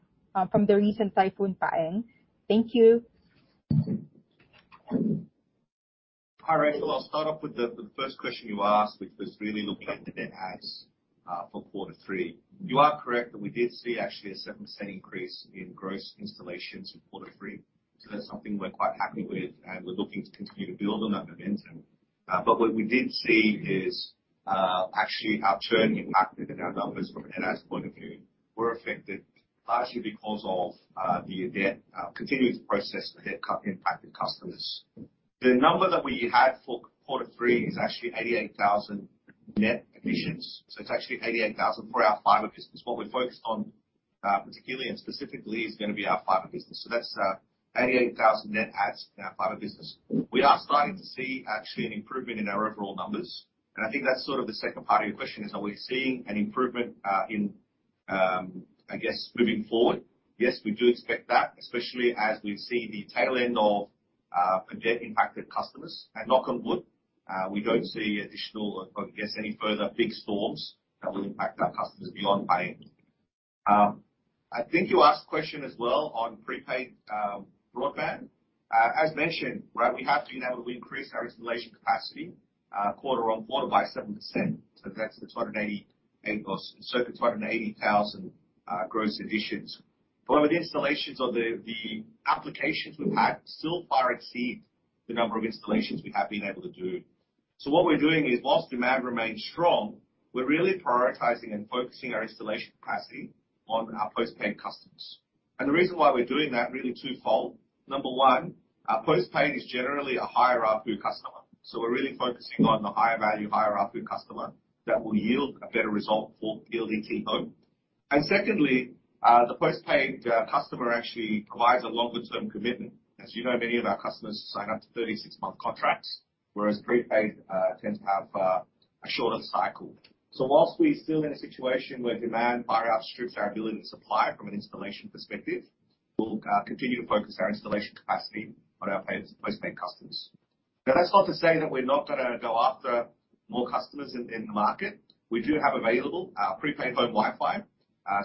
from the recent Typhoon Paeng? Thank you. Hi, Rachel. I'll start off with the first question you asked, which was really looking at the net adds for quarter three. You are correct that we did see actually a 7% increase in gross installations in quarter three. That's something we're quite happy with, and we're looking to continue to build on that momentum. What we did see is actually our churn impacted our numbers from a net adds point of view. We're affected partially because of the Odette, continuing to process the impact of customers. The number that we had for quarter three is actually 88,000 net additions. It's actually 88,000 for our fiber business. What we're focused on, particularly and specifically, is gonna be our fiber business. That's 88,000 net adds in our fiber business. We are starting to see actually an improvement in our overall numbers. I think that's sort of the second part of your question is, are we seeing an improvement, in, I guess, moving forward? Yes, we do expect that, especially as we see the tail end of, Odette impacted customers. Knock on wood, we don't see additional or I guess any further big storms that will impact our customers beyond Paeng. I think you asked a question as well on prepaid broadband. As mentioned, right, we have been able to increase our installation capacity, quarter-over-quarter by 7%. So that's the 288 or so 280,000 gross additions. However, the installations or the applications we've had still far exceed the number of installations we have been able to do. What we're doing is, while demand remains strong, we're really prioritizing and focusing our installation capacity on our postpaid customers. The reason why we're doing that really twofold. Number one, our postpaid is generally a higher ARPU customer. We're really focusing on the higher value, higher ARPU customer that will yield a better result for PLDT Home. Secondly, the postpaid customer actually provides a longer term commitment. As you know, many of our customers sign up to 36-month contracts, whereas prepaid tends to have a shorter cycle. While we're still in a situation where demand far outstrips our ability to supply from an installation perspective, we'll continue to focus our installation capacity on our postpaid customers. Now, that's not to say that we're not gonna go after more customers in the market. We do have available our Home Prepaid WiFi,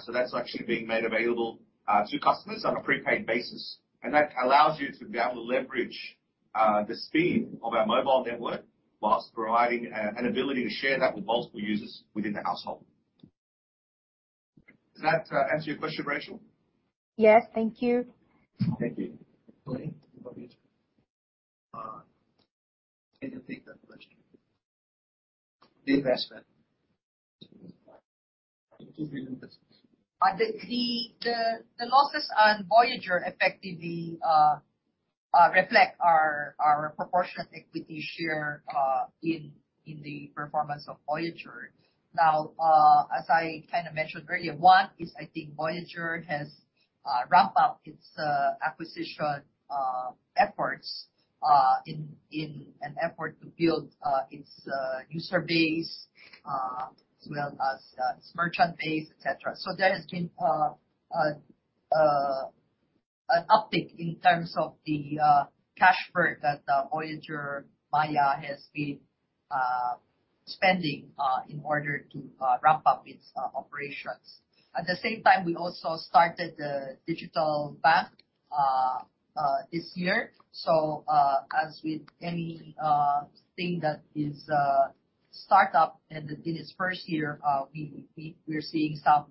so that's actually being made available to customers on a prepaid basis. That allows you to be able to leverage the speed of our mobile network while providing an ability to share that with multiple users within the household. Does that answer your question, Rachel? Yes. Thank you. Thank you. Anabelle Chua, you may unmute. Can you take that question? The investment. PHP 2 billion business. The losses on Voyager effectively reflect our proportionate equity share in the performance of Voyager. Now, as I kinda mentioned earlier, one is, I think Voyager has ramped up its acquisition efforts in an effort to build its user base as well as its merchant base, et cetera. There has been an uptick in terms of the cash burn that Voyager Maya has been spending in order to ramp up its operations. At the same time, we also started the digital bank this year. As with anything that is a startup and in its first year, we're seeing some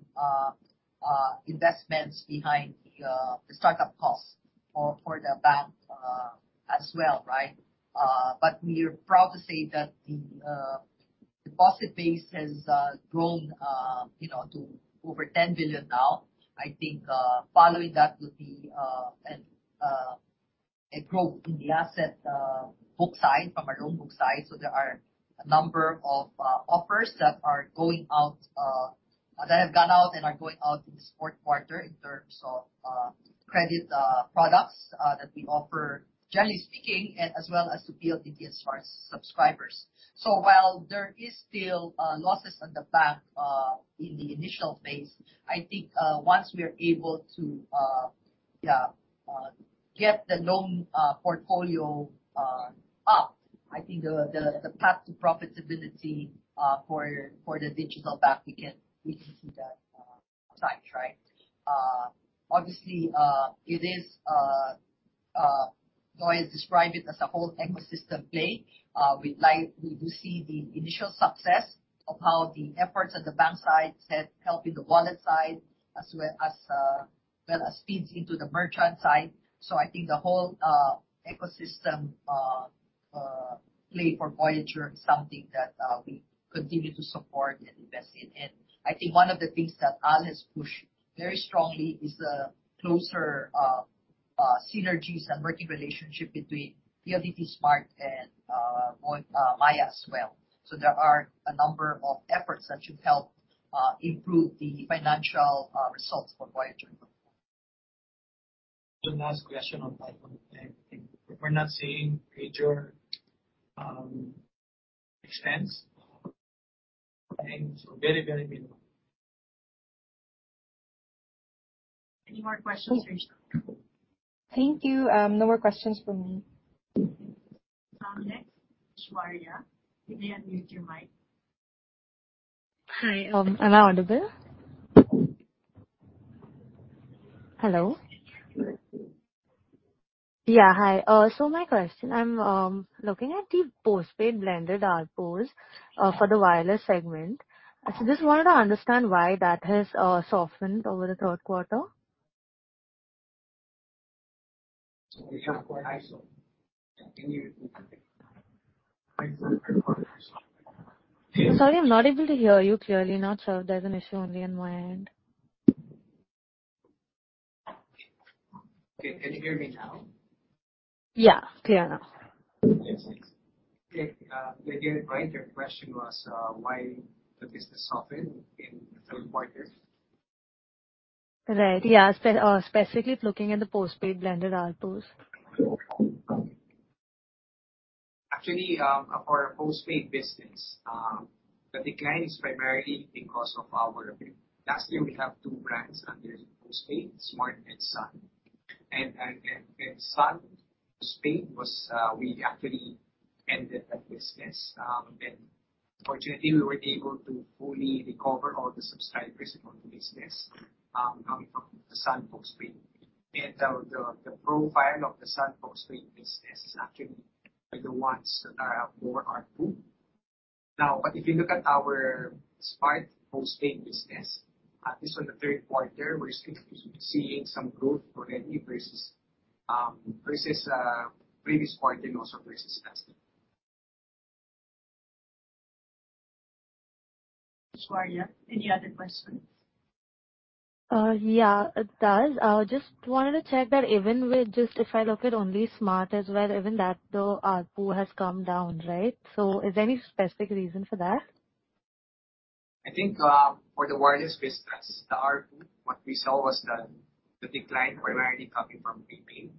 investments behind the startup costs for the bank as well, right? We're proud to say that the deposit base has grown, you know, to over 10 billion now. I think following that would be a growth in the asset book side from a loan book side. There are a number of offers that are going out that have gone out and are going out in this fourth quarter in terms of credit products that we offer, generally speaking, as well as to build in as far as subscribers. While there is still losses on the back in the initial phase, I think once we are able to get the loan portfolio up, I think the path to profitability for the digital bank, we can see that time frame. Obviously, it is Orlando Vea has described it as a whole ecosystem play. We do see the initial success of how the efforts at the bank side is helping the wallet side as well as well as feeds into the merchant side. I think the whole ecosystem play for Voyager Innovations is something that we continue to support and invest in. I think one of the things that Al has pushed very strongly is the closer synergies and working relationship between PLDT Smart and Maya as well. There are a number of efforts that should help improve the financial results for Voyager going forward. The last question on that one. I think we're not seeing major expense. Things are very, very minimal. Any more questions, Rachel? Thank you. No more questions from me. Next, Aishwarya. You may unmute your mic. Hi. Am I audible? Hello. Yes. Yeah. Hi. My question, I'm looking at the postpaid blended ARPU for the wireless segment. Just wanted to understand why that has softened over the third quarter. Which are quite high, so. Sorry, I'm not able to hear you clearly now, sir. There's an issue only on my end. Okay. Can you hear me now? Yeah, clear now. Yes. Okay. You did it right. Your question was, why the business softened in the third quarter? Right. Yeah. Specifically looking at the postpaid blended ARPU. Actually, for our postpaid business, the decline is primarily because of our last year we have two brands under postpaid, Smart and Sun. Sun postpaid was, we actually ended that business. Fortunately, we were able to fully recover all the subscribers from the business, coming from the Sun postpaid. The profile of the Sun postpaid business is actually the ones that are more ARPU. Now, but if you look at our Smart postpaid business, at least on the third quarter, we're still seeing some growth already versus previous quarter and also versus last year. Aishwarya, any other questions? Yeah, it does. Just wanted to check that even with just if I look at only Smart as well, even that the ARPU has come down, right? Is there any specific reason for that? I think for the wireless business, the ARPU, what we saw was the decline primarily coming from prepaid,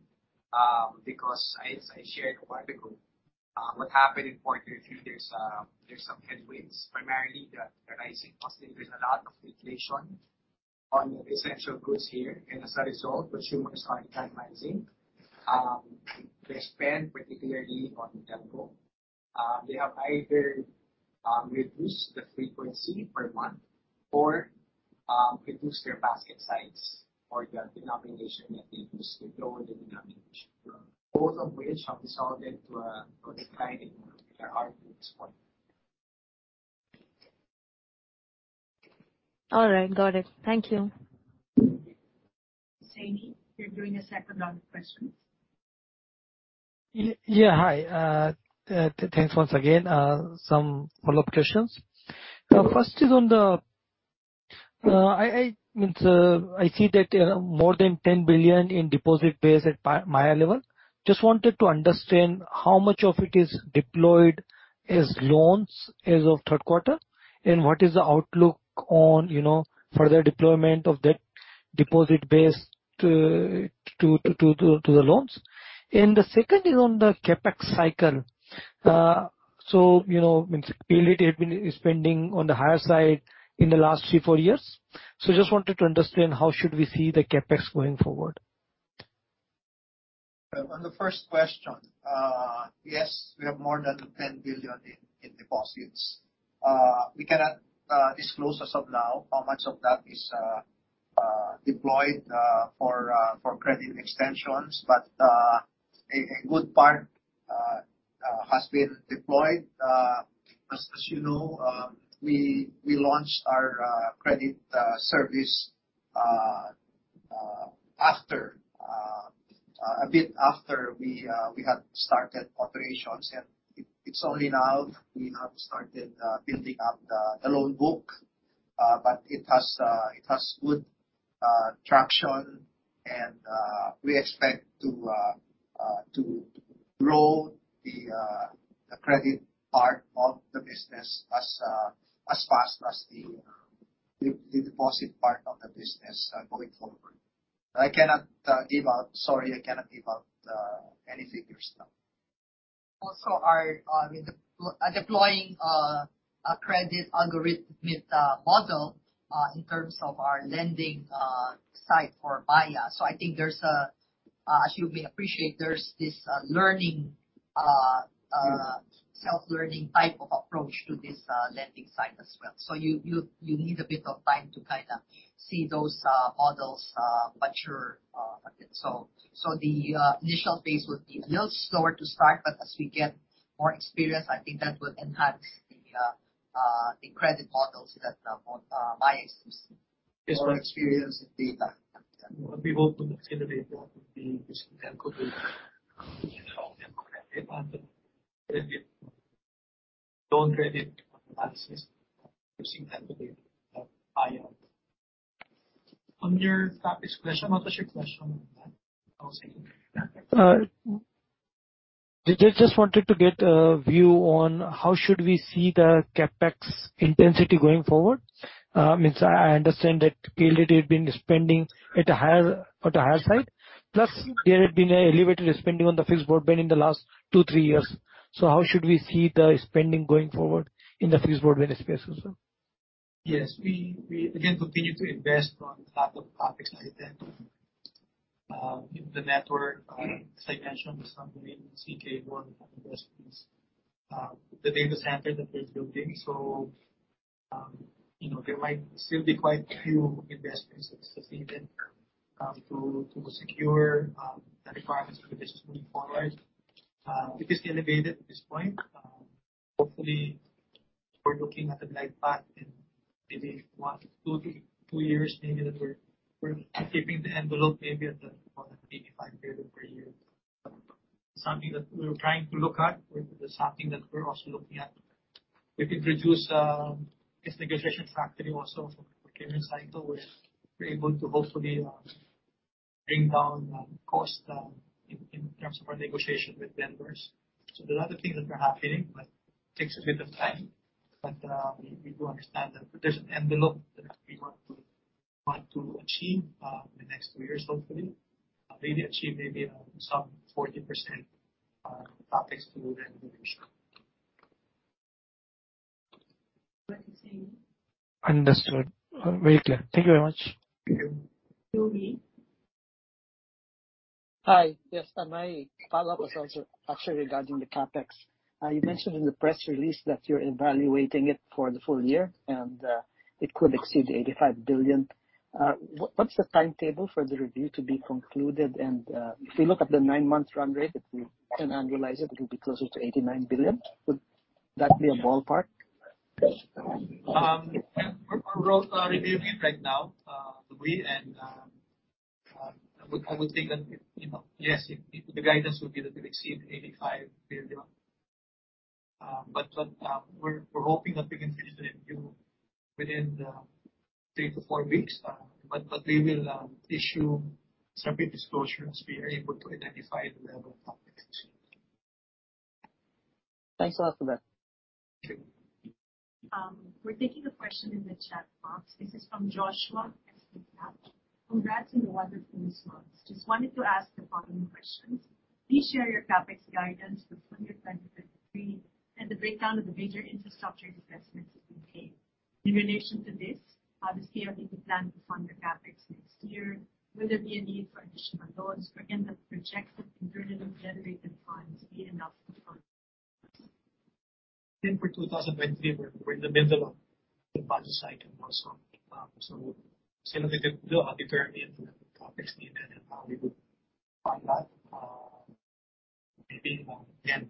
because as I shared a while ago, what happened in quarter three, there's some headwinds, primarily the rising cost. There's a lot of inflation on the essential goods here. As a result, consumers are economizing their spend, particularly on telco. They have either reduced the frequency per month or reduced their basket size or the denomination, they've reduced it lower the denomination. Both of which have resulted to declining their ARPU at this point. All right. Got it. Thank you. Sanjeev, you're doing a second round of questions. Yeah. Hi. Thanks once again. Some follow-up questions. The first is on the... I mean, I see that, you know, more than 10 billion in deposit base at Maya level. Just wanted to understand how much of it is deployed as loans as of third quarter, and what is the outlook on, you know, further deployment of that deposit base to the loans. The second is on the CapEx cycle. You know, I mean, PLDT had been spending on the higher side in the last three, four years. Just wanted to understand how should we see the CapEx going forward. On the first question, yes, we have more than 10 billion in deposits. We cannot disclose as of now how much of that is deployed for credit extensions. A good part has been deployed. As you know, we launched our credit service after a bit after we had started operations. It's only now we have started building up the loan book, but it has good traction and we expect to... To grow the credit part of the business as fast as the deposit part of the business, going forward. Sorry, I cannot give out any figures, no. Also our deploying a credit algorithmic model in terms of our lending side for Maya. I think there's a, as you may appreciate, there's this self-learning type of approach to this lending side as well. You need a bit of time to kinda see those models mature a bit. The initial phase would be a little slower to start, but as we get more experience, I think that will enhance the credit models based on Maya's more experience in data. Yeah. We hope to accelerate that with the using technology loan credit access using that data at Maya. On your topic's question, what was your question? I was thinking. Just wanted to get a view on how should we see the CapEx intensity going forward. I understand that PLDT has been spending at a higher side. Plus there had been an elevated spending on the fixed broadband in the last two, three years. How should we see the spending going forward in the fixed broadband space also? Yes. We again continue to invest on CapEx like that. The network, as I mentioned this morning, key network investments. The data center that we're building, so you know, there might still be quite a few investments that's needed to secure the requirements for the business moving forward. It is elevated at this point. Hopefully we're looking at a glide path in maybe one to two years, maybe that we're keeping the envelope maybe at 185 billion per year. Something that we're trying to look at or something that we're also looking at. We could reduce this negotiation factor also for procurement cycle. We're able to hopefully bring down costs in terms of our negotiation with vendors. There are a lot of things that are happening, but takes a bit of time. We do understand that there's an envelope that we want to achieve in the next two years hopefully. Maybe achieve some 40% tied to that negotiation. What do you say? Understood. Very clear. Thank you very much. Thank you. Luis. Hi. Yes. My follow-up was also actually regarding the CapEx. You mentioned in the press release that you're evaluating it for the full year and it could exceed 85 billion. What's the timetable for the review to be concluded? If you look at the 9-month run rate, if you can annualize it will be closer to 89 billion. Would that be a ballpark? We're reviewing it right now, Luis Ubias. I would think that, you know, yes, the guidance would be that it will exceed 85 billion. We're hoping that we can finish the review within 3 to 4 weeks. We will issue certain disclosures we are able to identify the level of CapEx. Thanks a lot for that. Thank you. We're taking a question in the chat box. This is from Joshua G. Tab. Congrats on your wonderful news, ma'am. Just wanted to ask the following questions. Please share your CapEx guidance for full year 2023 and the breakdown of the major infrastructure investments you've been planning. In relation to this, the scale of the plan to fund your CapEx next year, will there be a need for additional loans, or will projected internally generated funds be enough to fund this? I think for 2023, we're in the middle of the budget cycle also. Still a little early to determine the CapEx needed and how we would fund that. Maybe again,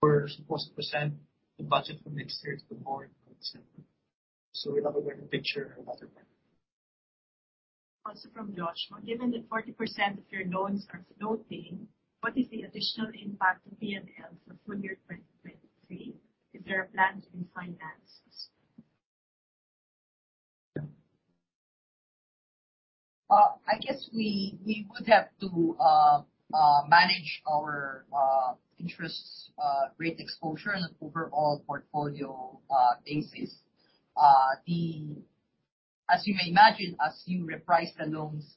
we're supposed to present the budget for next year to the board on December. We'll have a better picture about it then. Also from Joshua: Given that 40% of your loans are floating, what is the additional impact to P&L for full year 2023? Is there a plan to refinance this? Yeah. I guess we would have to manage our interest rate exposure on an overall portfolio basis. As you may imagine, as you reprice the loans,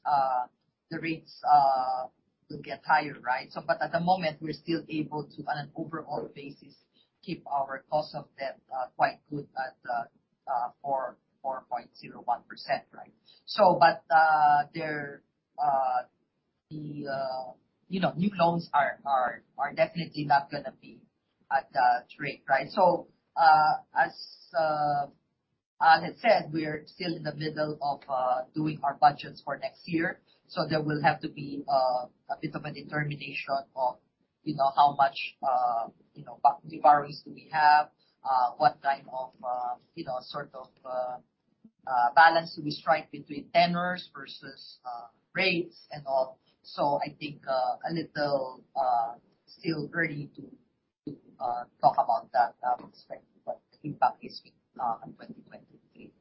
the rates will get higher, right? At the moment, we're still able to, on an overall basis, keep our cost of debt quite good at 4.01%, right? You know, new loans are definitely not gonna be at that rate, right? As Al had said, we are still in the middle of doing our budgets for next year. There will have to be a bit of a determination of, you know, how many borrowers do we have, what type of, you know, sort of balance do we strike between tenors versus rates and all. I think a little still early to talk about that. Impact this week on 2023.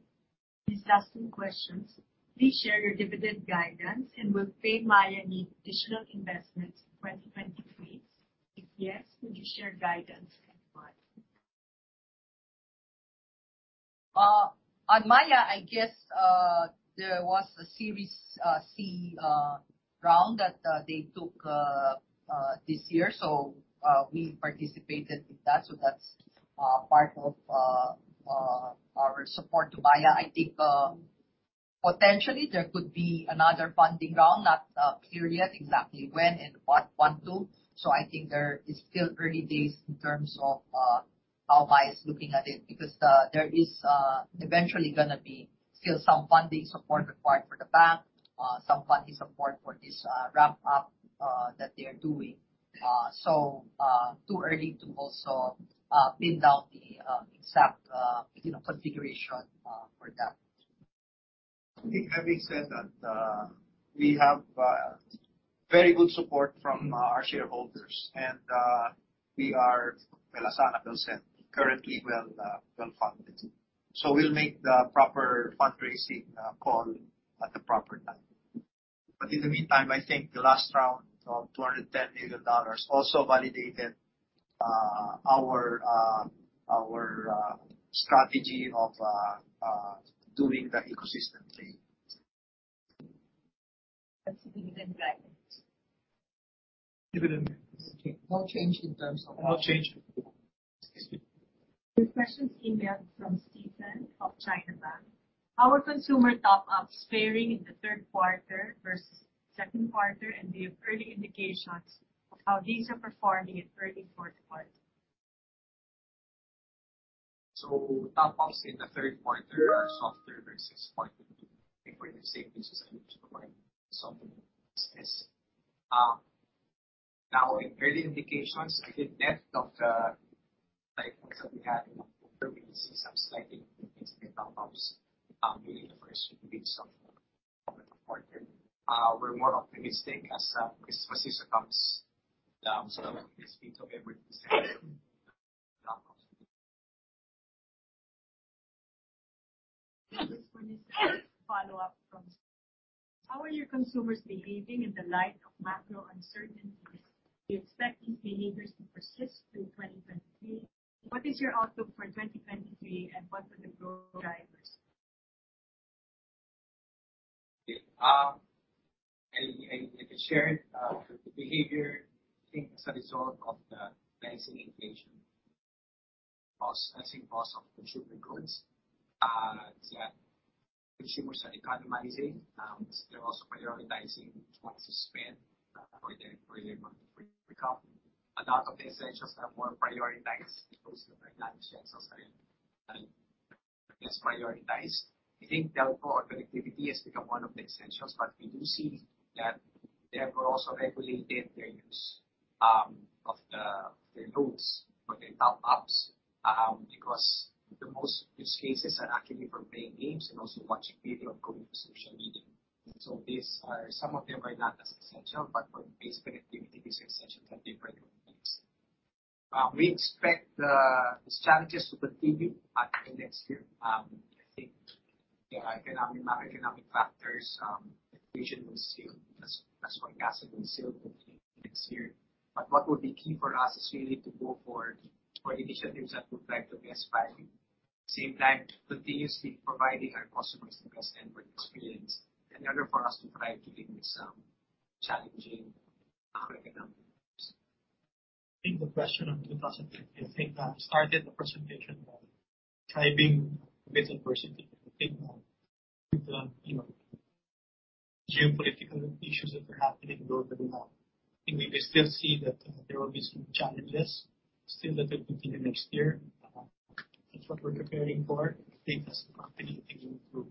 Please share your dividend guidance, and will PayMaya need additional investments in 2023? If yes, could you share guidance on Maya? On Maya, I guess, there was a Series C round that they took this year. We participated with that, so that's part of our support to Maya. I think potentially there could be another funding round. Not clear yet exactly when and what they want to. I think there is still early days in terms of how Maya is looking at it, because there is eventually gonna be still some funding support required for the bank, some funding support for this ramp up that they are doing. Too early to also pin down the exact you know configuration for that. I think having said that, we have very good support from our shareholders and we are The question's emailed from Steven of China Bank. How are consumer top ups faring in the third quarter versus second quarter? Do you have early indications of how these are performing in early fourth quarter? Top ups in the third quarter are softer versus quarter two. I think for the same reasons I mentioned earlier, softer business. Now in early indications, I think net of the typhoons that we had in October, we did see some slight increase in the top ups, really in the first week of November quarter. We're more optimistic as Christmas season comes. I think this week okay we're seeing some increase in top ups. Follow-up from Steven. How are your consumers behaving in the light of macro uncertainties? Do you expect these behaviors to persist through 2023? What is your outlook for 2023, and what are the growth drivers? I could share the behavior, I think as a result of the rising inflation, cost of consumer goods, that consumers are economizing. They're also prioritizing what to spend for their monthly recovery. A lot of the essentials have more prioritized. People still prioritize essentials and less prioritize. I think telco or connectivity has become one of the essentials, but we do see that they have also regulated their use of the loads for their top ups, because the most use cases are actually for playing games and also watching video, going through social media. These are some of them are not as essential, but for base connectivity, these are essentials that they prioritize. We expect the challenges to continue next year. I think the economic, macroeconomic factors, inflation will still, as forecasted, continue next year. What will be key for us is really to go for initiatives that will try to be aspiring. At the same time continuously providing our customers the best network experience in order for us to try to get through these challenging macroeconomic times. I think the question on 2023, I think I started the presentation by trying to be a bit conservative. I think that with the, you know, geopolitical issues that are happening globally now, I think we may still see that there will be some challenges still that will continue next year. That's what we're preparing for. I think as the company continuing to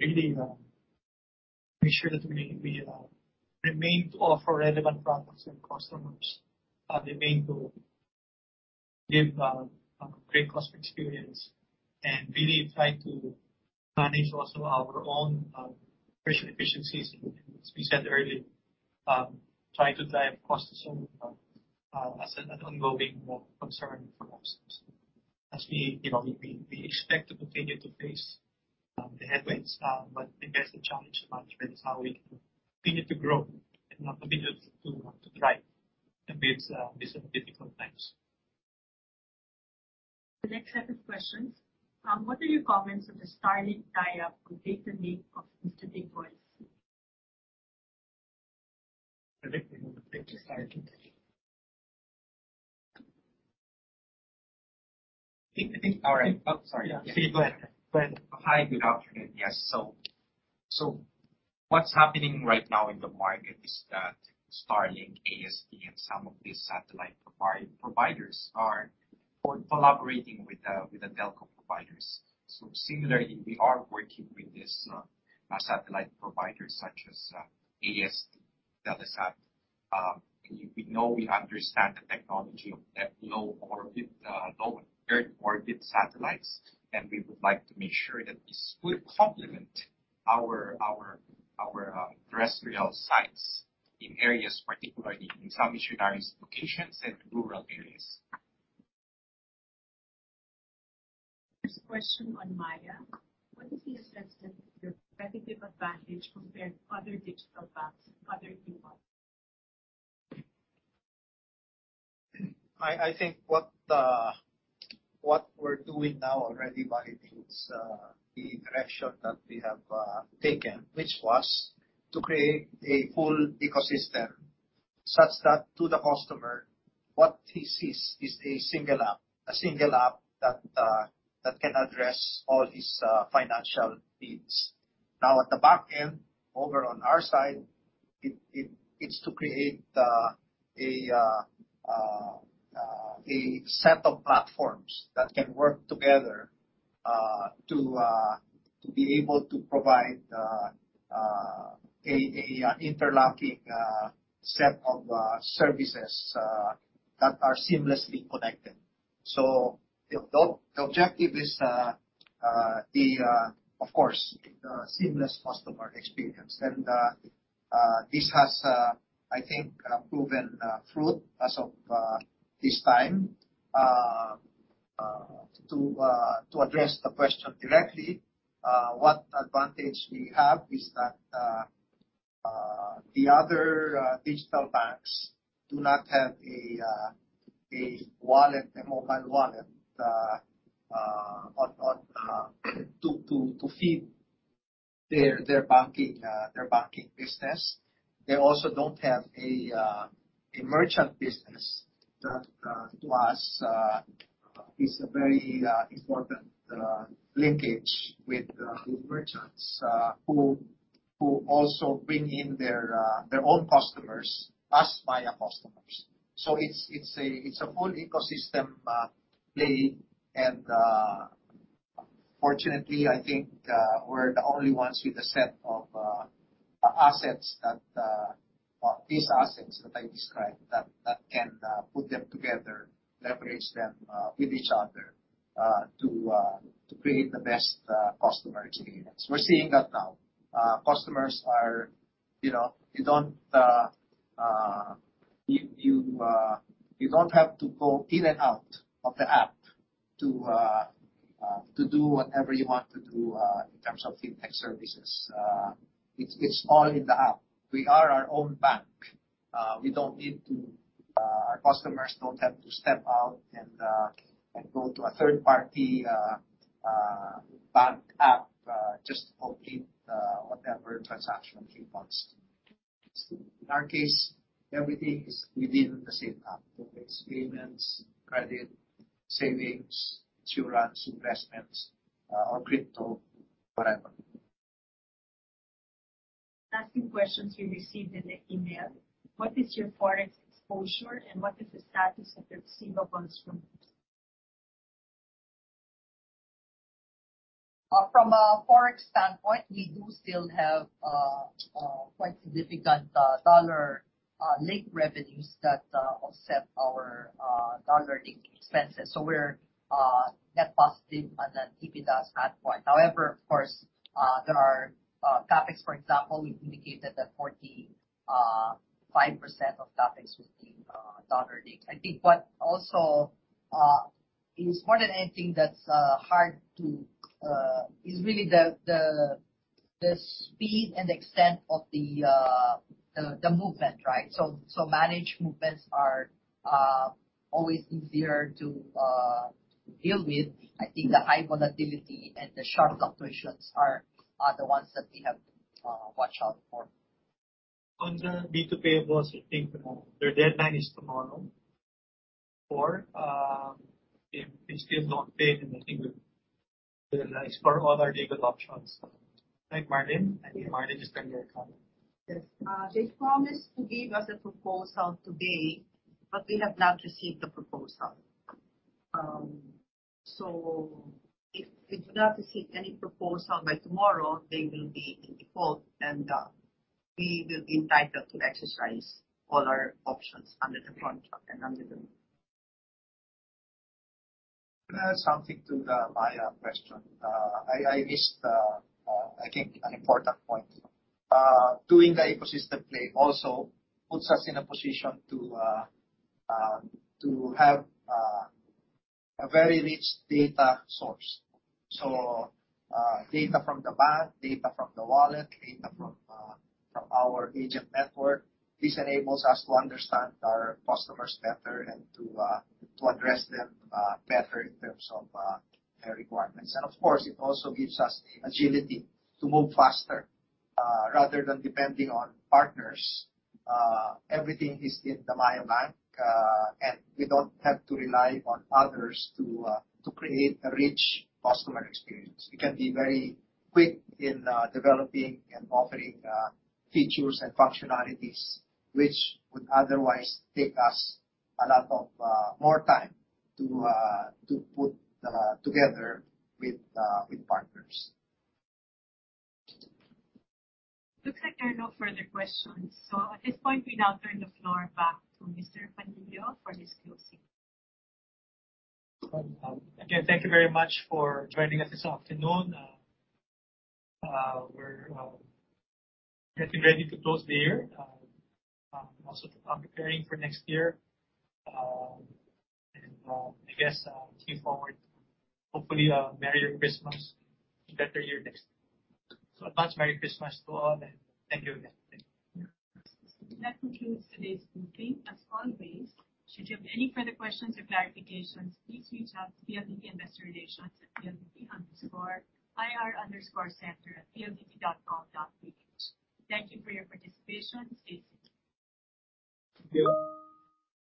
really make sure that we remain to offer relevant products to our customers, remain to give a great customer experience and really try to manage also our own operational efficiencies. As we said earlier, try to drive costs as some of the as an ongoing major concern for us. As we, you know, we expect to continue to face the headwinds. I guess the challenge management is how we continue to grow and continue to thrive amidst these difficult times. The next set of questions. What are your comments on the Starlink tie-up with Globe and DITO of Mr. Dennis Uy? I think we will take this item. All right. Oh, sorry. Yeah. Please go ahead. Go ahead. Hi. Good afternoon. Yes. What's happening right now in the market is that Starlink, AST, and some of these satellite providers are collaborating with the telco providers. Similarly, we are working with these satellite providers such as AST, Telesat. We understand the technology of that low earth orbit satellites, and we would like to make sure that this would complement our terrestrial sites. In areas particularly in some missionary locations and rural areas. First question on Maya. What is the assessment, your competitive advantage compared to other digital banks and other I think what we're doing now already, Maya, is the direction that we have taken, which was to create a full ecosystem such that to the customer, what he sees is a single app. A single app that can address all his financial needs. Now, at the back end, over on our side, it's to create a set of platforms that can work together to be able to provide an interlocking set of services that are seamlessly connected. The objective is, of course, the seamless customer experience. This has, I think, proven fruitful as of this time. To address the question directly, what advantage we have is that the other digital banks do not have a wallet, a mobile wallet on to feed their banking business. They also don't have a merchant business that to us is a very important linkage with merchants who also bring in their own customers as Maya customers. It's a full ecosystem play, and fortunately, I think, we're the only ones with a set of assets that these assets that I described that can put them together, leverage them with each other to create the best customer experience. We're seeing that now. You know, you don't have to go in and out of the app to do whatever you want to do in terms of fintech services. It's all in the app. We are our own bank. Our customers don't have to step out and go to a third party bank app just to complete whatever transaction he wants. In our case, everything is within the same app. Okay. Payments, credit, savings, insurance, investments, or crypto, whatever. Asking questions we received in the email. What is your Forex exposure, and what is the status of the receivables from? From a Forex standpoint, we do still have quite significant dollar-linked revenues that offset our dollar-linked expenses. We're net positive on the FX desk at this point. However, of course, there are CapEx, for example, we indicated that 45% of CapEx would be dollar-linked. I think what also is more than anything that's hard to is really the speed and extent of the movement, right? Managed movements are always easier to deal with. I think the high volatility and the short operations are the ones that we have to watch out for. On the Bills to Pay bills, I think tomorrow. Their deadline is tomorrow for if it's still not paid, then I think we will explore all our legal options. Right, Marilyn? I think Marilyn has been there. Yes. They promised to give us a proposal today, but we have not received the proposal. If we do not receive any proposal by tomorrow, they will be in default, and we will be entitled to exercise all our options under the contract and under the- Can I add something to the Maya question? I missed, I think, an important point. Doing the ecosystem play also puts us in a position to have a very rich data source. Data from the bank, data from the wallet, data from our agent network. This enables us to understand our customers better and to address them better in terms of their requirements. Of course, it also gives us the agility to move faster. Rather than depending on partners, everything is in the Maya Bank, and we don't have to rely on others to create a rich customer experience. We can be very quick in developing and offering features and functionalities, which would otherwise take us a lot more time to put together with partners. Looks like there are no further questions. At this point, we now turn the floor back to Mr. Panlilio for his closing. Again, thank you very much for joining us this afternoon. We're getting ready to close the year and also preparing for next year. I guess, looking forward, hopefully a merrier Christmas, better year next. A much merry Christmas to all, and thank you again. That concludes today's meeting. As always, should you have any further questions or clarifications, please reach out to PLDT Investor Relations at pldt_ir_center@pldt.com.ph. Thank you for your participation. Stay safe. Thank you.